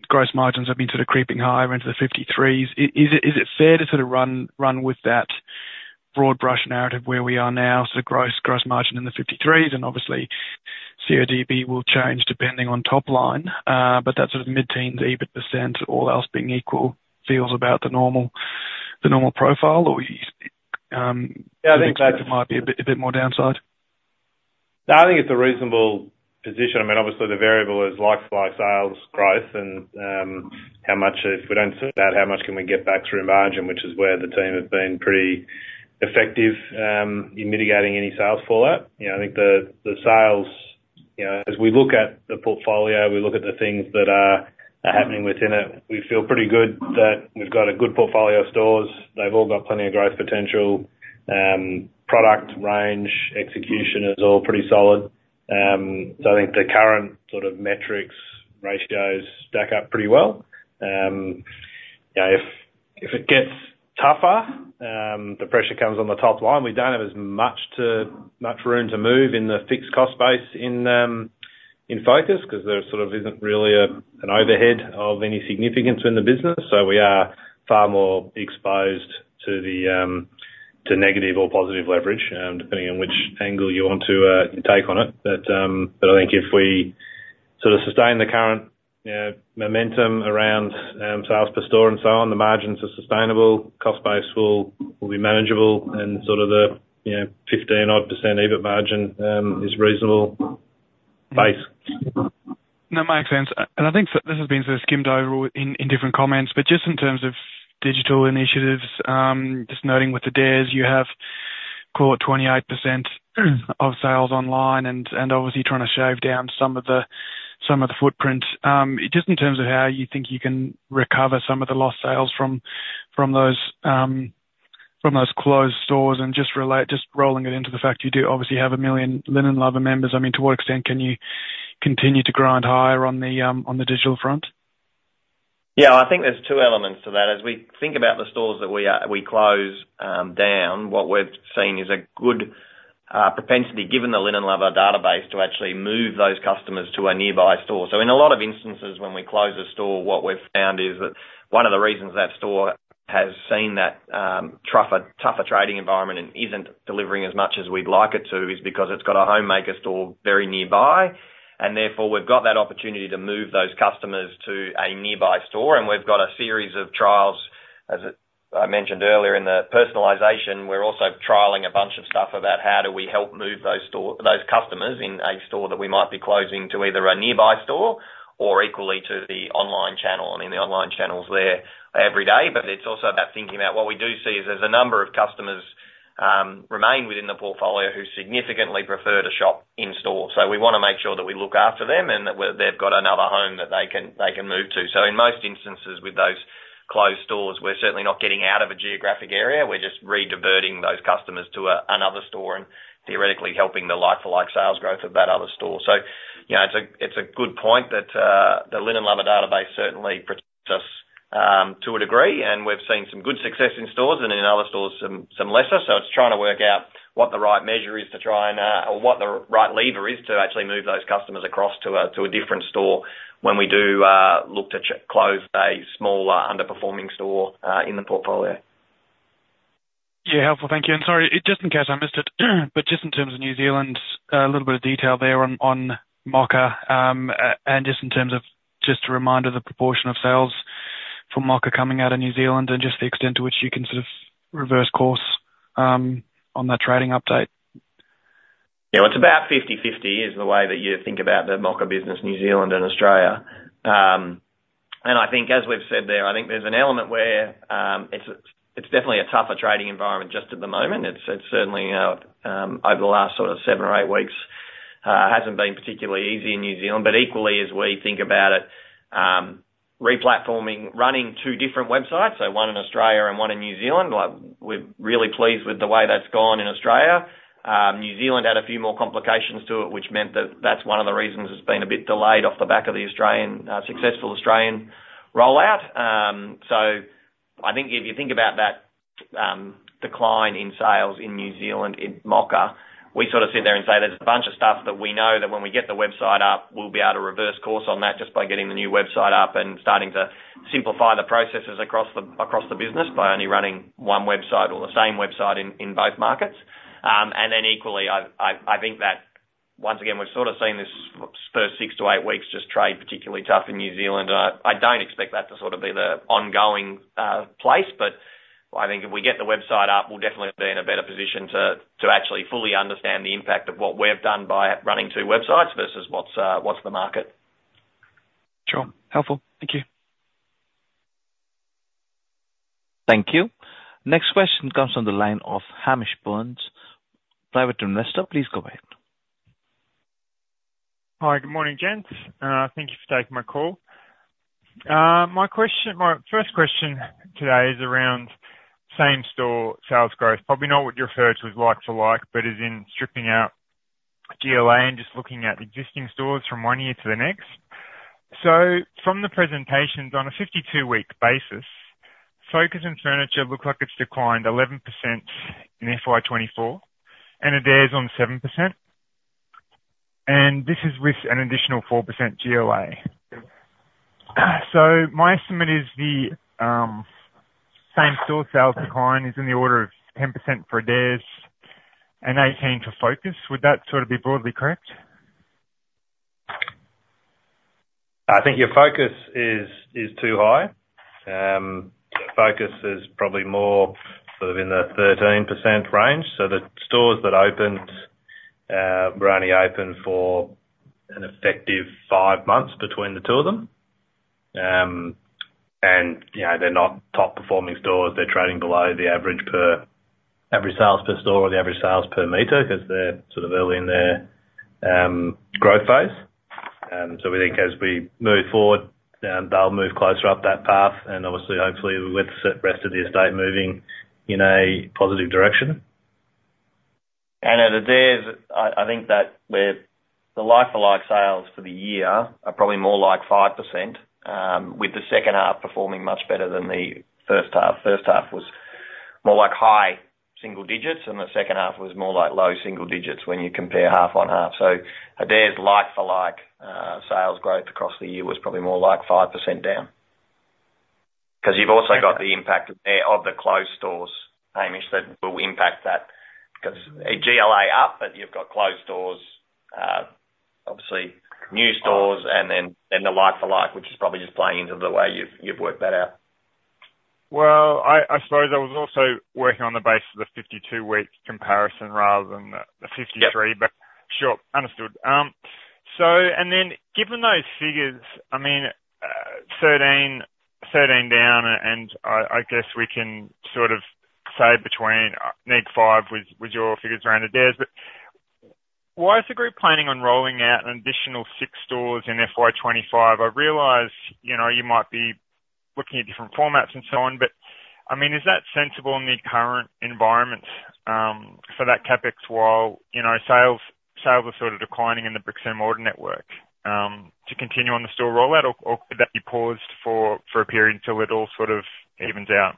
S7: Gross margins have been sort of creeping higher into the 53s. Is it fair to sort of run with that broad brush narrative where we are now, sort of gross margin in the 53s, and obviously, CODB will change depending on top line? But that sort of mid-teens EBIT%, all else being equal, feels about the normal profile, or
S2: Yeah, I think that-
S7: There might be a bit, a bit more downside?
S2: No, I think it's a reasonable position. I mean, obviously the variable is like-for-like sales growth and how much, if we don't serve that, how much can we get back through margin, which is where the team has been pretty effective in mitigating any sales fallout. You know, I think the sales, you know as we look at the portfolio, we look at the things that are happening within it, we feel pretty good that we've got a good portfolio of stores. They've all got plenty of growth potential. Product range, execution is all pretty solid. So I think the current sort of metrics, ratios, stack up pretty well. You know, if it gets tougher, the pressure comes on the top line. We don't have as much room to move in the fixed cost base in Focus, 'cause there sort of isn't really an overhead of any significance in the business. So we are far more exposed to the negative or positive leverage, depending on which angle you want to take on it. But I think if we sort of sustain the current momentum around sales per store and so on, the margins are sustainable, cost base will be manageable, and sort of the 15 odd % EBIT margin is reasonable base.
S7: No, makes sense, and I think that this has been sort of skimmed over in different comments, but just in terms of digital initiatives, just noting with Adairs, you have caught 28% of sales online and obviously trying to shave down some of the footprint. Just in terms of how you think you can recover some of the lost sales from those closed stores, and just relate, just rolling it into the fact you do obviously have a million Linen Lover members, I mean, to what extent can you continue to grind higher on the digital front?
S2: Yeah, I think there's two elements to that. As we think about the stores that we close down, what we've seen is a good propensity, given the Linen Lover database, to actually move those customers to a nearby store. So in a lot of instances, when we close a store, what we've found is that one of the reasons that store has seen that tougher trading environment and isn't delivering as much as we'd like it to, is because it's got a Homemaker store very nearby, and therefore, we've got that opportunity to move those customers to a nearby store. We've got a series of trials, as I mentioned earlier, in the personalization. We're also trialing a bunch of stuff about how do we help move those customers in a store that we might be closing, to either a nearby store. Or equally to the online channel, I mean, the online channel's there every day. But it's also about thinking about what we do see is there's a number of customers remain within the portfolio who significantly prefer to shop in-store. So we wanna make sure that we look after them, and that they've got another home that they can, they can move to. So in most instances, with those closed stores, we're certainly not getting out of a geographic area. We're just rediverting those customers to another store, and theoretically helping the like-for-like sales growth of that other store. So, you know, it's a good point that the Linen Lover database certainly protects us to a degree, and we've seen some good success in stores and in other stores, some lesser. It's trying to work out what the right measure is to try and, or what the right lever is to actually move those customers across to a different store when we do look to close a small, underperforming store in the portfolio.
S7: Yeah, helpful. Thank you. And sorry, just in case I missed it, but just in terms of New Zealand, a little bit of detail there on Mocka. And just in terms of, just a reminder, the proportion of sales for Mocka coming out of New Zealand, and just the extent to which you can sort of reverse course on that trading update.
S2: Yeah, it's about fifty-fifty is the way that you think about the Mocka business, New Zealand and Australia. And I think as we've said there, I think there's an element where, it's definitely a tougher trading environment just at the moment. It's certainly, over the last sort of seven or eight weeks, hasn't been particularly easy in New Zealand. But equally, as we think about it, replatforming, running two different websites, so one in Australia and one in New Zealand, like, we're really pleased with the way that's gone in Australia. New Zealand had a few more complications to it, which meant that that's one of the reasons it's been a bit delayed off the back of the Australian successful Australian rollout. So I think if you think about that, decline in sales in New Zealand, in Mocka, we sort of sit there and say: There's a bunch of stuff that we know that when we get the website up, we'll be able to reverse course on that just by getting the new website up and starting to simplify the processes across the business by only running one website or the same website in both markets. And then equally, I think that once again, we've sort of seen this first six to eight weeks just trade particularly tough in New Zealand. I don't expect that to sort of be the ongoing place, but I think if we get the website up, we'll definitely be in a better position to actually fully understand the impact of what we've done by running two websites versus what's the market.
S8: Sure. Helpful. Thank you.
S1: Thank you. Next question comes from the line of Hamish Burns, private investor. Please go ahead.
S8: Hi, good morning, gents. Thank you for taking my call. My question—my first question today is around same-store sales growth. Probably not what you refer to as like-for-like, but as in stripping out GLA and just looking at existing stores from one year to the next. So from the presentations, on a 52-week basis, Focus on Furniture look like it's declined 11% in FY 2024, and Adairs 7%, and this is with an additional 4% GLA. So my estimate is the same-store sales decline is in the order of 10% for Adairs and 18% for Focus. Would that sort of be broadly correct?
S3: I think your Focus is too high. Focus is probably more sort of in the 13% range. So the stores that opened were only open for an effective five months between the two of them. And, you know, they're not top-performing stores. They're trading below the average sales per store or the average sales per meter, 'cause they're sort of early in their growth phase. And so we think as we move forward, they'll move closer up that path, and obviously, hopefully, with the rest of the estate moving in a positive direction.
S2: And at Adairs, I think that the like-for-like sales for the year are probably more like 5%, with the second half performing much better than the first half. First half was more like high single digits, and the second half was more like low single digits when you compare half on half. So Adairs' like-for-like sales growth across the year was probably more like 5% down. 'Cause you've also got the impact of the closed stores, Hamish, that will impact that. 'Cause GLA up, but you've got closed stores, obviously new stores, and then the like-for-like, which is probably just playing into the way you've worked that out.
S8: I suppose I was also working on the basis of the fifty-two-week comparison rather than the fifty-three.
S2: Yep.
S8: But sure, understood. So and then given those figures, I mean, 13 down, and I guess we can sort of say between negative 5 with your figures around Adairs. But why is the group planning on rolling out an additional six stores in FY25? I realize, you know, you might be looking at different formats and so on, but, I mean, is that sensible in the current environment, for that CapEx, while, you know, sales are sort of declining in the bricks-and-mortar network, to continue on the store rollout, or could that be paused for a period until it all sort of evens out?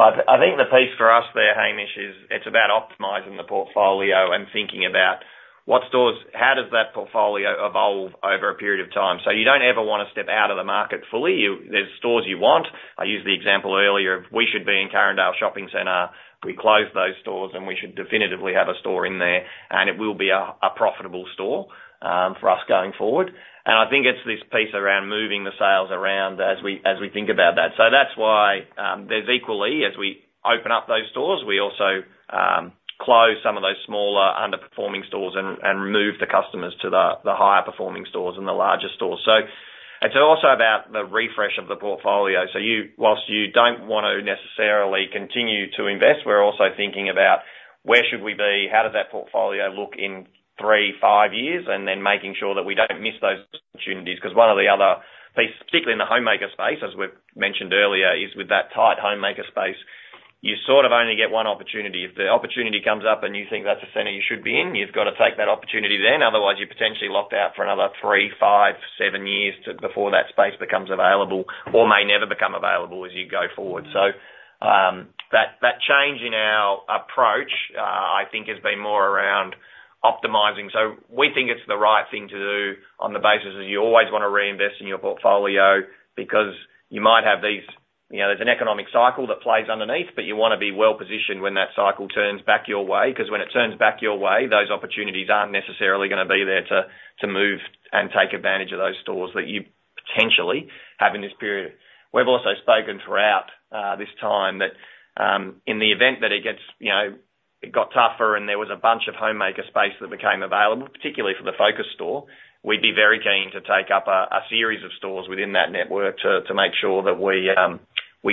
S2: Well, I think the piece for us there, Hamish, is it's about optimizing the portfolio and thinking about what stores—how does that portfolio evolve over a period of time? So you don't ever wanna step out of the market fully. You—there's stores you want. I used the example earlier, we should be in Carindale Shopping Centre. We closed those stores, and we should definitively have a store in there, and it will be a profitable store for us going forward. And I think it's this piece around moving the sales around as we think about that. So that's why there's equally, as we open up those stores, we also close some of those smaller underperforming stores and move the customers to the higher performing stores and the larger stores. So it's also about the refresh of the portfolio. While you don't want to necessarily continue to invest, we're also thinking about: Where should we be? How does that portfolio look in three, five years? And then making sure that we don't miss those opportunities. 'Cause one of the other pieces, particularly in the Homemaker space, as we've mentioned earlier, is with that tight Homemaker space, you sort of only get one opportunity. If the opportunity comes up and you think that's a center you should be in, you've got to take that opportunity then, otherwise you're potentially locked out for another three, five, seven years before that space becomes available or may never become available as you go forward. So, that, that change in our approach, I think has been more around optimizing. So we think it's the right thing to do on the basis of you always wanna reinvest in your portfolio because you might have these. You know, there's an economic cycle that plays underneath, but you wanna be well-positioned when that cycle turns back your way, 'cause when it turns back your way, those opportunities aren't necessarily gonna be there to move and take advantage of those stores that you potentially have in this period. We've also spoken throughout this time that in the event that it gets, you know, it got tougher and there was a bunch of Homemaker space that became available, particularly for the Focus store, we'd be very keen to take up a series of stores within that network to make sure that we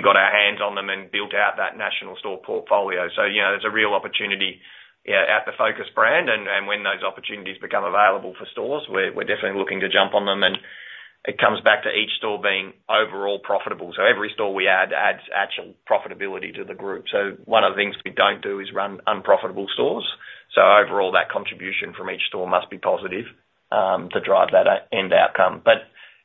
S2: got our hands on them and built out that national store portfolio. So, you know, there's a real opportunity, yeah, at the Focus brand, and when those opportunities become available for stores, we're definitely looking to jump on them, and it comes back to each store being overall profitable. So every store we add adds actual profitability to the group. So one of the things we don't do is run unprofitable stores. So overall, that contribution from each store must be positive to drive that end outcome.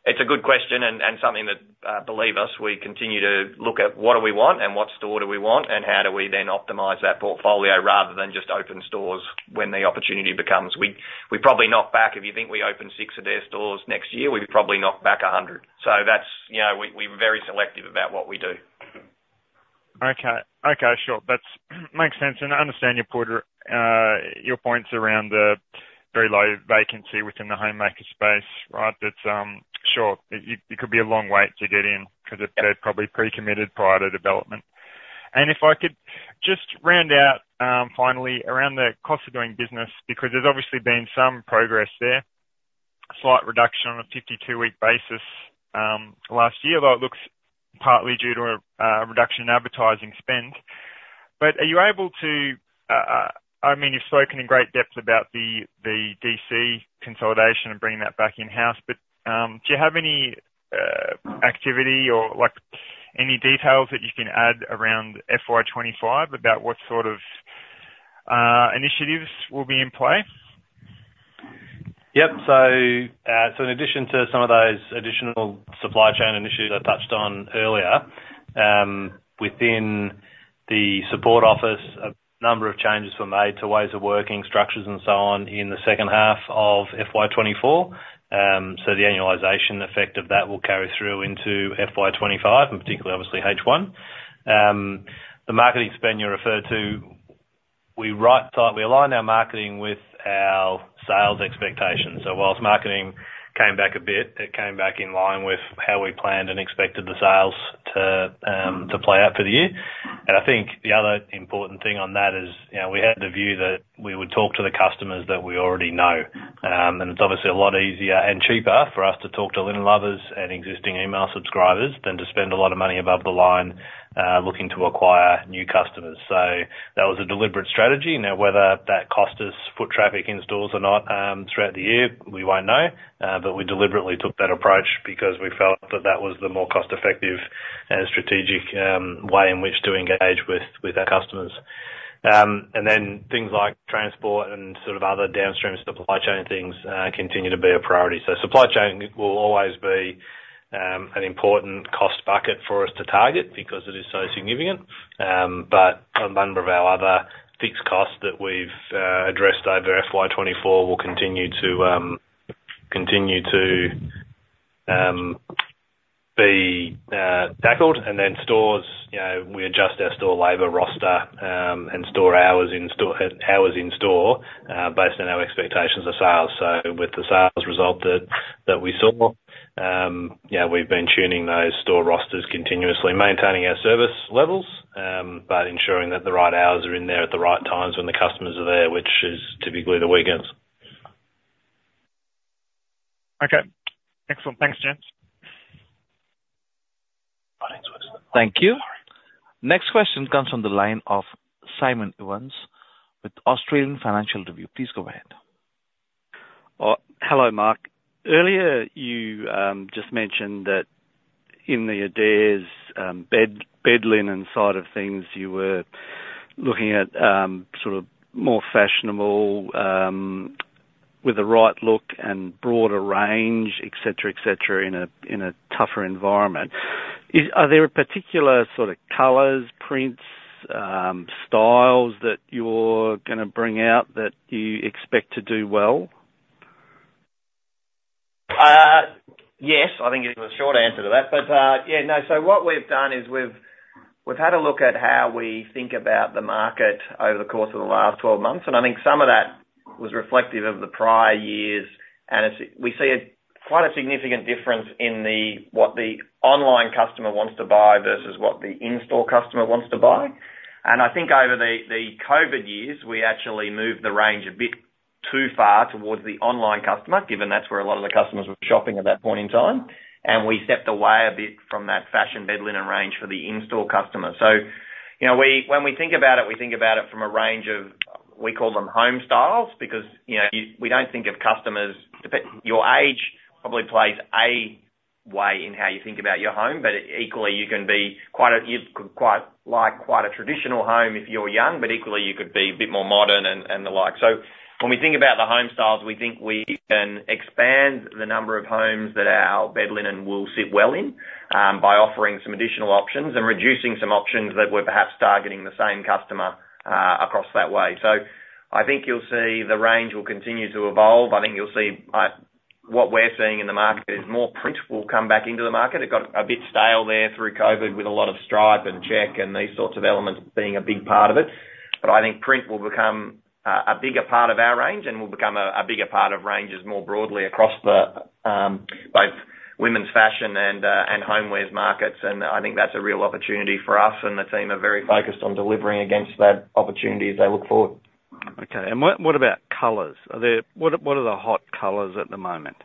S2: But it's a good question and something that, believe us, we continue to look at what do we want and what store do we want, and how do we then optimize that portfolio rather than just open stores when the opportunity becomes. We probably knock back. If you think we open six Adairs stores next year, we probably knock back a hundred. So that's, you know, we're very selective about what we do.
S8: Okay. Okay, sure. That makes sense, and I understand your point, your points around the very low vacancy within the Homemaker space, right? That's, sure, it could be a long wait to get in, 'cause it's, they're probably pre-committed prior to development. And if I could just round out, finally, around the cost of doing business, because there's obviously been some progress there, a slight reduction on a fifty-two-week basis, last year, although it looks partly due to a reduction in advertising spend. But are you able to, I mean, you've spoken in great depth about the DC consolidation and bringing that back in-house, but, do you have any activity or, like, any details that you can add around FY twenty-five about what sort of initiatives will be in play?
S2: Yep. So in addition to some of those additional supply chain initiatives I touched on earlier, within the support office, a number of changes were made to ways of working structures and so on in the second half of FY 2024. So the annualization effect of that will carry through into FY 2025, and particularly obviously H1. The marketing spend you referred to, we right-sized, we aligned our marketing with our sales expectations. So while marketing came back a bit, it came back in line with how we planned and expected the sales to play out for the year. And I think the other important thing on that is, you know, we had the view that we would talk to the customers that we already know. And it's obviously a lot easier and cheaper for us to talk to Linen Lovers and existing email subscribers than to spend a lot of money above the line, looking to acquire new customers. So that was a deliberate strategy. Now, whether that cost us foot traffic in stores or not, throughout the year, we won't know, but we deliberately took that approach because we felt that that was the more cost-effective and strategic way in which to engage with our customers. And then things like transport and sort of other downstream supply chain things continue to be a priority. So supply chain will always be an important cost bucket for us to target because it is so significant. But a number of our other fixed costs that we've addressed over FY 2024 will continue to be tackled. And then stores, you know, we adjust our store labor roster and store hours in-store based on our expectations of sales. So with the sales result that we saw, yeah, we've been tuning those store rosters continuously, maintaining our service levels, but ensuring that the right hours are in there at the right times when the customers are there, which is typically the weekends.
S8: Okay. Excellent. Thanks, Jamie.
S1: Thank you. Next question comes from the line of Simon Evans with Australian Financial Review. Please go ahead.
S9: Hello, Mark. Earlier, you just mentioned that in the Adairs bed linen side of things, you were looking at sort of more fashionable with the right look and broader range, et cetera, in a tougher environment. Are there particular sort of colors, prints, styles that you're gonna bring out that you expect to do well?
S2: Yes, I think is the short answer to that. But, yeah, no, so what we've done is we've had a look at how we think about the market over the course of the last twelve months, and I think some of that was reflective of the prior years, and it's we see quite a significant difference in what the online customer wants to buy versus what the in-store customer wants to buy. And I think over the COVID years, we actually moved the range a bit too far towards the online customer, given that's where a lot of the customers were shopping at that point in time, and we stepped away a bit from that fashion bed linen range for the in-store customer. So, you know, when we think about it, we think about it from a range of. We call them home styles, because, you know, we don't think of customers. Your age probably plays a way in how you think about your home, but equally, you can be quite a. You could quite like a traditional home if you're young, but equally, you could be a bit more modern and the like. So when we think about the home styles, we think we can expand the number of homes that our bed linen will sit well in by offering some additional options and reducing some options that were perhaps targeting the same customer across that way. So I think you'll see the range will continue to evolve. I think you'll see what we're seeing in the market is more print will come back into the market. It got a bit stale there through COVID, with a lot of stripe and check and these sorts of elements being a big part of it. But I think print will become a bigger part of our range and will become a bigger part of ranges more broadly across the both women's fashion and homewares markets. And I think that's a real opportunity for us, and the team are very focused on delivering against that opportunity as they look forward.
S9: Okay, and what about colors? What are the hot colors at the moment?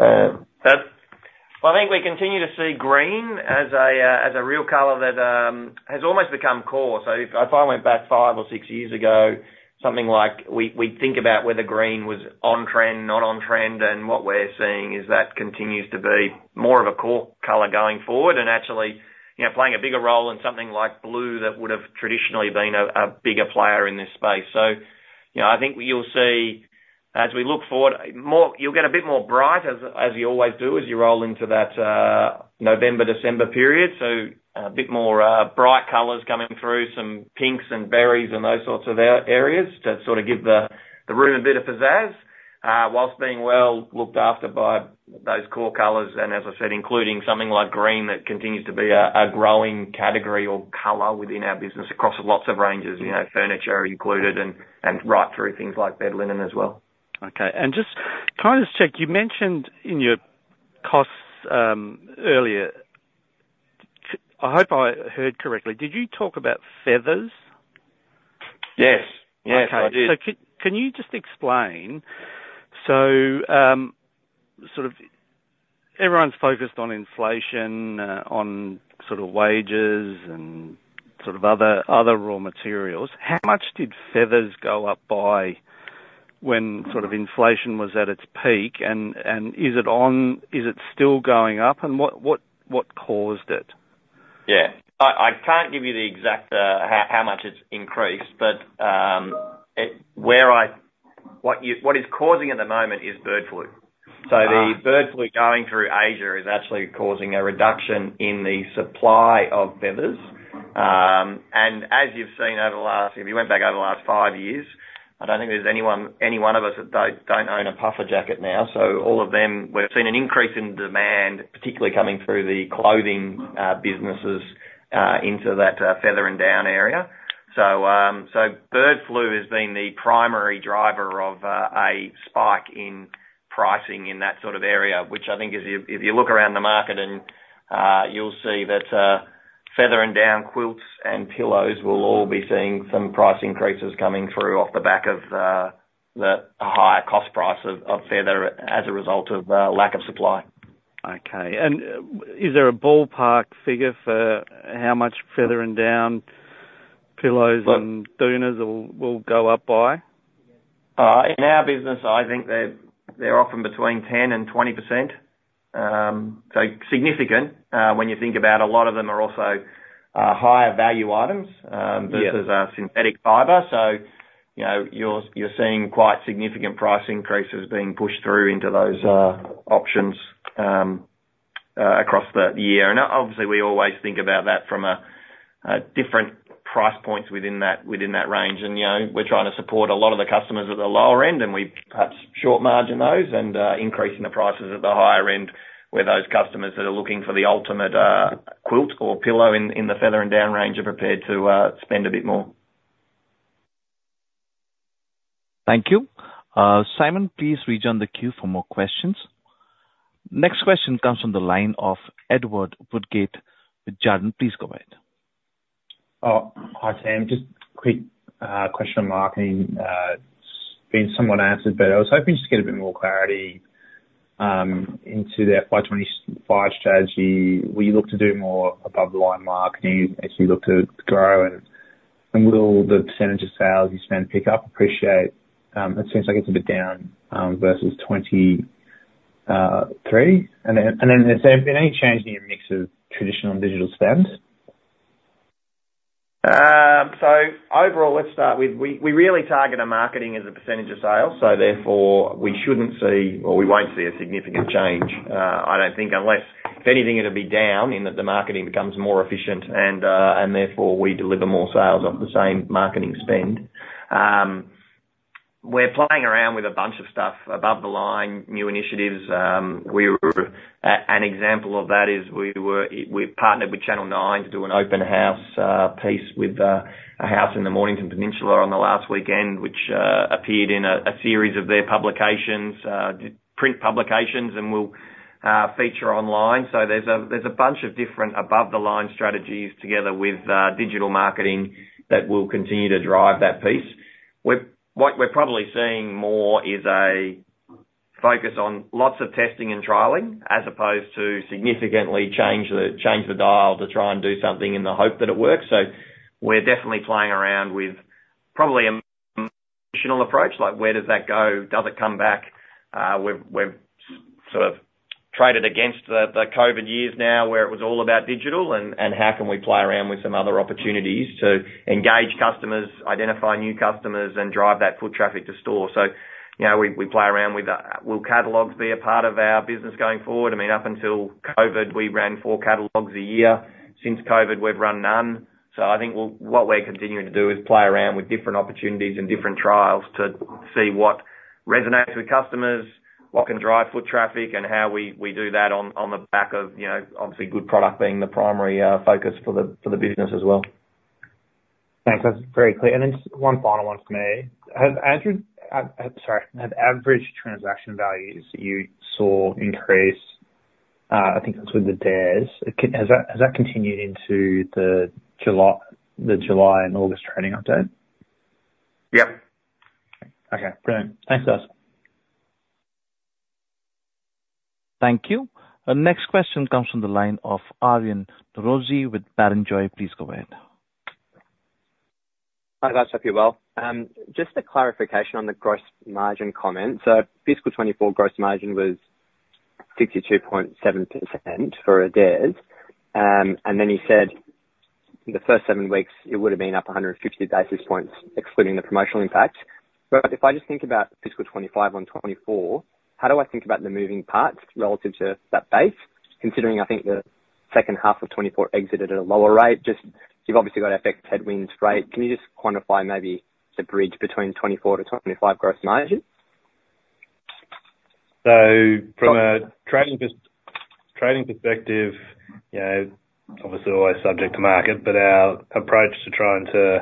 S9: I think we continue to see green as a real color that has almost become core. So if I went back five or six years ago, something like we'd think about whether green was on trend, not on trend, and what we're seeing is that continues to be more of a core color going forward, and actually, you know, playing a bigger role in something like blue, that would've traditionally been a bigger player in this space. So, you know, I think you'll see, as we look forward, more. You'll get a bit more bright, as you always do, as you roll into that November, December period. A bit more bright colors coming through, some pinks and berries and those sorts of areas, to sort of give the room a bit of pizzazz, while being well looked after by those core colors, and as I said, including something like green, that continues to be a growing category or color within our business, across lots of ranges, you know, furniture included, and right through things like bed linen as well. Okay, and just kind of check, you mentioned in your costs earlier. I hope I heard correctly. Did you talk about feathers?
S2: Yes. Yes, I did.
S9: Okay. So can you just explain, so, sort of everyone's focused on inflation, on sort of wages, and sort of other raw materials. How much did feathers go up by when sort of inflation was at its peak, and is it still going up? And what caused it?
S2: Yeah. I can't give you the exact how much it's increased, but what is causing at the moment is bird flu.
S9: Ah.
S2: So the bird flu going through Asia is actually causing a reduction in the supply of feathers, and as you've seen over the last five years. If you went back over the last five years, I don't think there's anyone, any one of us that don't own a puffer jacket now. So all of them, we've seen an increase in demand, particularly coming through the clothing businesses into that feather and down area. So bird flu has been the primary driver of a spike in pricing in that sort of area, which I think if you, if you look around the market and you'll see that feather and down quilts and pillows will all be seeing some price increases coming through off the back of the higher cost price of feather as a result of lack of supply.
S9: Okay. And, is there a ballpark figure for how much feather and down pillows-
S2: Look-
S9: and doonas will go up by?
S2: In our business, I think they're often between 10% and 20%, so significant when you think about a lot of them are also higher value items.
S9: Yeah...
S2: versus synthetic fiber. So, you know, you're seeing quite significant price increases being pushed through into those options across the year. And obviously, we always think about that from different price points within that range. And, you know, we're trying to support a lot of the customers at the lower end, and we perhaps short margin those and increasing the prices at the higher end, where those customers that are looking for the ultimate quilt or pillow in the feather and down range are prepared to spend a bit more.
S1: Thank you. Simon, please rejoin the queue for more questions. Next question comes from the line of Edward Woodgate with Jarden. Please go ahead.
S5: Oh, hi, Sam. Just a quick question on marketing. It's been somewhat answered, but I was hoping just to get a bit more clarity into the FY 2025 strategy. Will you look to do more above-the-line marketing as you look to grow and will the percentage of sales you spend pick up? Appreciate, it seems like it's a bit down versus 2023. And then has there been any change in your mix of traditional and digital spends?
S2: So overall, let's start with we really target our marketing as a percentage of sales, so therefore, we shouldn't see or we won't see a significant change. I don't think unless. If anything, it'll be down in that the marketing becomes more efficient and therefore, we deliver more sales off the same marketing spend. We're playing around with a bunch of stuff above the line, new initiatives. An example of that is we partnered with Channel Nine to do an open house piece with a house in the Mornington Peninsula on the last weekend, which appeared in a series of their print publications and will feature online. So there's a bunch of different above-the-line strategies together with digital marketing that will continue to drive that piece. What we're probably seeing more is a focus on lots of testing and trialing, as opposed to significantly change the dial to try and do something in the hope that it works. So we're definitely playing around with probably a traditional approach, like, where does that go? Does it come back? We've sort of traded against the COVID years now, where it was all about digital, and how can we play around with some other opportunities to engage customers, identify new customers, and drive that foot traffic to store. So, you know, we play around with that. Will catalogs be a part of our business going forward? I mean, up until COVID, we ran four catalogs a year. Since COVID, we've run none. So I think what we're continuing to do is play around with different opportunities and different trials to see what resonates with customers, what can drive foot traffic, and how we do that on the back of, you know, obviously good product being the primary focus for the business as well.
S5: Thanks. That's very clear. And then just one final one from me. Sorry. Have average transaction values you saw increase, I think that's with Adairs. Has that continued into the July and August trading update?
S2: Yep.
S5: Okay, brilliant. Thanks, guys.
S1: Thank you. The next question comes from the line of Aryan Norozi with Barrenjoey. Please go ahead.
S10: Hi, guys. Hope you're well. Just a clarification on the gross margin comment. So fiscal 2024 gross margin was 62.7% for Adairs. And then you said in the first 7 weeks, it would've been up 100 basis points, excluding the promotional impact. But if I just think about fiscal 2025 on 2024, how do I think about the moving parts relative to that base, considering I think the second half of 2024 exited at a lower rate? Just, you've obviously got FX headwinds, right? Can you just quantify maybe the bridge between 2024 to 2025 gross margin?
S2: From a trading perspective, you know, obviously always subject to market, but our approach to trying to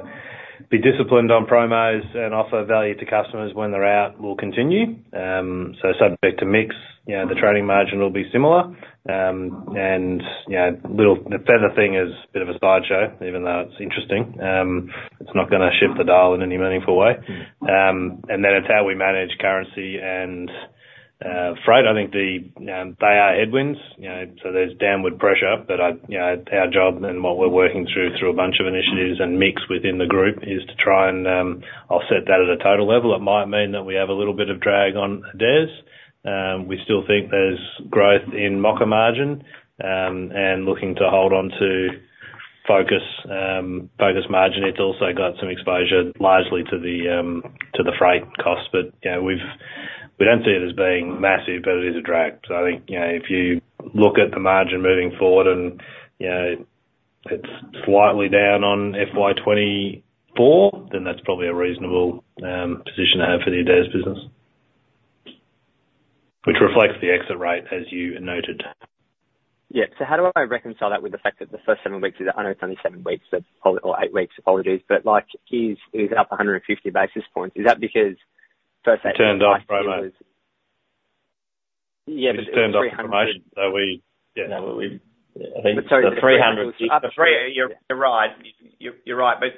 S2: be disciplined on promos and offer value to customers when they're out will continue. So subject to mix, you know, the trading margin will be similar. And, you know, the feather thing is a bit of a sideshow, even though it's interesting. It's not gonna shift the dial in any meaningful way. And then it's how we manage currency and freight. I think they are headwinds, you know, so there's downward pressure, but you know, our job and what we're working through a bunch of initiatives and mix within the group is to try and offset that at a total level. It might mean that we have a little bit of drag on Adairs. We still think there's growth in Mocka margin and looking to hold on to Focus margin. It's also got some exposure largely to the freight costs. But you know, we don't see it as being massive, but it is a drag, so I think, you know, if you look at the margin moving forward and, you know, it's slightly down on FY 2024, then that's probably a reasonable position to have for the Adairs business, which reflects the exit rate, as you noted.
S10: Yeah. So how do I reconcile that with the fact that the first seven weeks, I know it's only seven weeks, but or eight weeks, apologies, but, like, is it up a hundred and fifty basis points? Is that because first-
S2: Turned off promo.
S10: Yeah.
S2: Just turned off the promotion, so we, yeah, I think the three hundred-
S10: You're right.
S2: But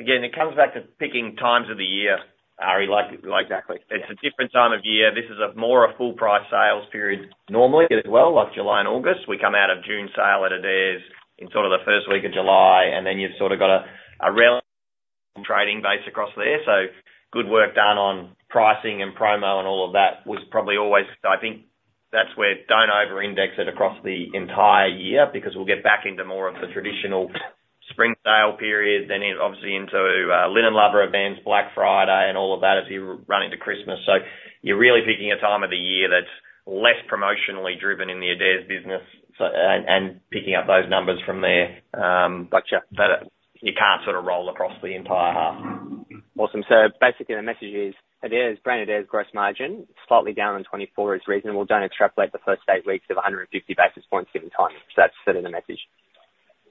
S2: again, it comes back to picking times of the year, Ari, like.
S10: Exactly.
S2: It's a different time of year. This is more a full price sales period normally as well, like July and August. We come out of June sale at Adairs in sort of the first week of July, and then you've sort of got a real trading base across there. So good work done on pricing and promo and all of that was probably always... I think that's where don't over-index it across the entire year, because we'll get back into more of the traditional spring sale period, then in, obviously into Linen Lover events, Black Friday, and all of that as you run into Christmas. So you're really picking a time of the year that's less promotionally driven in the Adairs business, so and picking up those numbers from there. But you can't sort of roll across the entire half.
S10: Awesome. So basically, the message is, Adairs, brand Adairs gross margin, slightly down on twenty-four is reasonable. Don't extrapolate the first eight weeks of a hundred and fifty basis points given time. So that's sort of the message.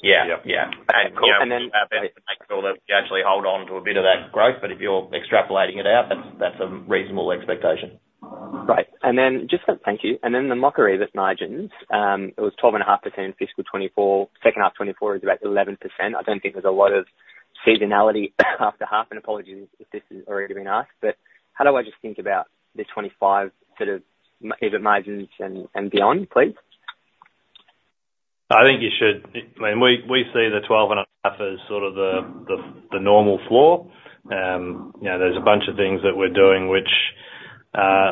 S2: Yeah. Yep. Yeah.
S10: Cool. And then-
S2: Make sure that we actually hold on to a bit of that growth, but if you're extrapolating it out, that's, that's a reasonable expectation.
S10: Right. And then just thank you. And then the Mocka gross margins, it was 12.5% fiscal twenty-four. Second half twenty-four is about 11%. I don't think there's a lot of seasonality half to half, and apologies if this has already been asked, but how do I just think about the twenty-five sort of profit margins and beyond, please?
S2: I think you should... I mean, we see the twelve and a half as sort of the normal floor. You know, there's a bunch of things that we're doing which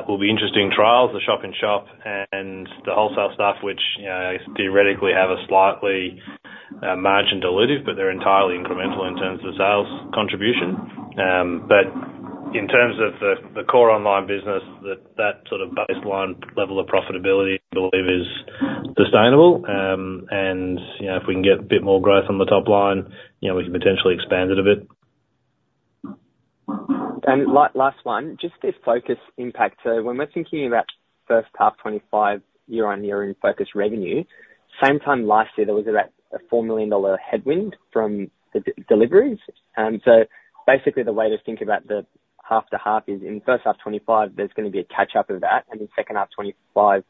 S2: will be interesting trials, the shop-in-shop and the wholesale stuff, which, you know, theoretically have a slightly margin dilutive, but they're entirely incremental in terms of sales contribution. But in terms of the core online business, that sort of baseline level of profitability, I believe, is sustainable. And, you know, if we can get a bit more growth on the top line, you know, we can potentially expand it a bit.
S10: Last one, just this Focus impact. When we're thinking about first half twenty-five, year-on-year in Focus revenue, same time last year, there was about a 4 million dollar headwind from the deliveries. So basically, the way to think about the half to half is, in the first half twenty-five, there's gonna be a catch-up of that, and in second half twenty-five,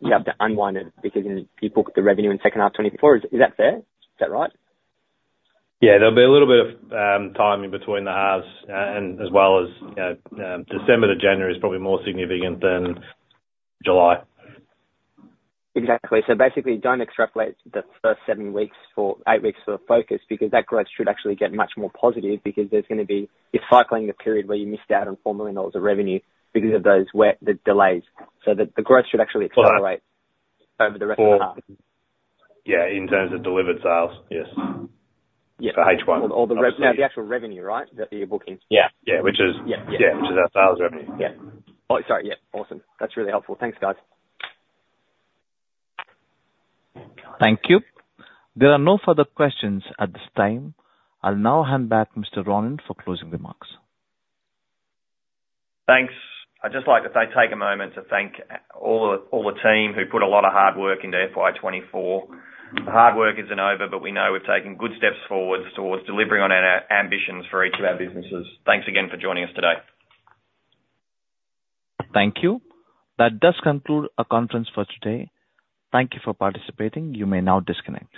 S10: you have to unwind it because you, you book the revenue in second half twenty-four. Is that fair? Is that right?
S2: Yeah, there'll be a little bit of timing between the halves, and as well as, you know, December to January is probably more significant than July.
S10: Exactly. So basically, don't extrapolate the first seven weeks for eight weeks for Focus, because that growth should actually get much more positive because there's gonna be, you're cycling a period where you missed out on 4 million dollars of revenue because of those, the delays. So the growth should actually accelerate-
S2: All right
S10: over the rest of the half.
S2: Yeah, in terms of delivered sales, yes.
S10: Yeah.
S2: For H1.
S10: Now, the actual revenue, right? The, your bookings.
S2: Yeah. Yeah, which is-
S10: Yeah.
S2: Yeah, which is our sales revenue. Yeah. Oh, sorry. Yeah. Awesome. That's really helpful. Thanks, guys.
S1: Thank you. There are no further questions at this time. I'll now hand back to Mr. Ronnander for closing remarks.
S2: Thanks. I'd just like to say, take a moment to thank all the team who put a lot of hard work into FY twenty-four. The hard work isn't over, but we know we've taken good steps forward towards delivering on our ambitions for each of our businesses. Thanks again for joining us today.
S1: Thank you. That does conclude our conference for today. Thank you for participating. You may now disconnect.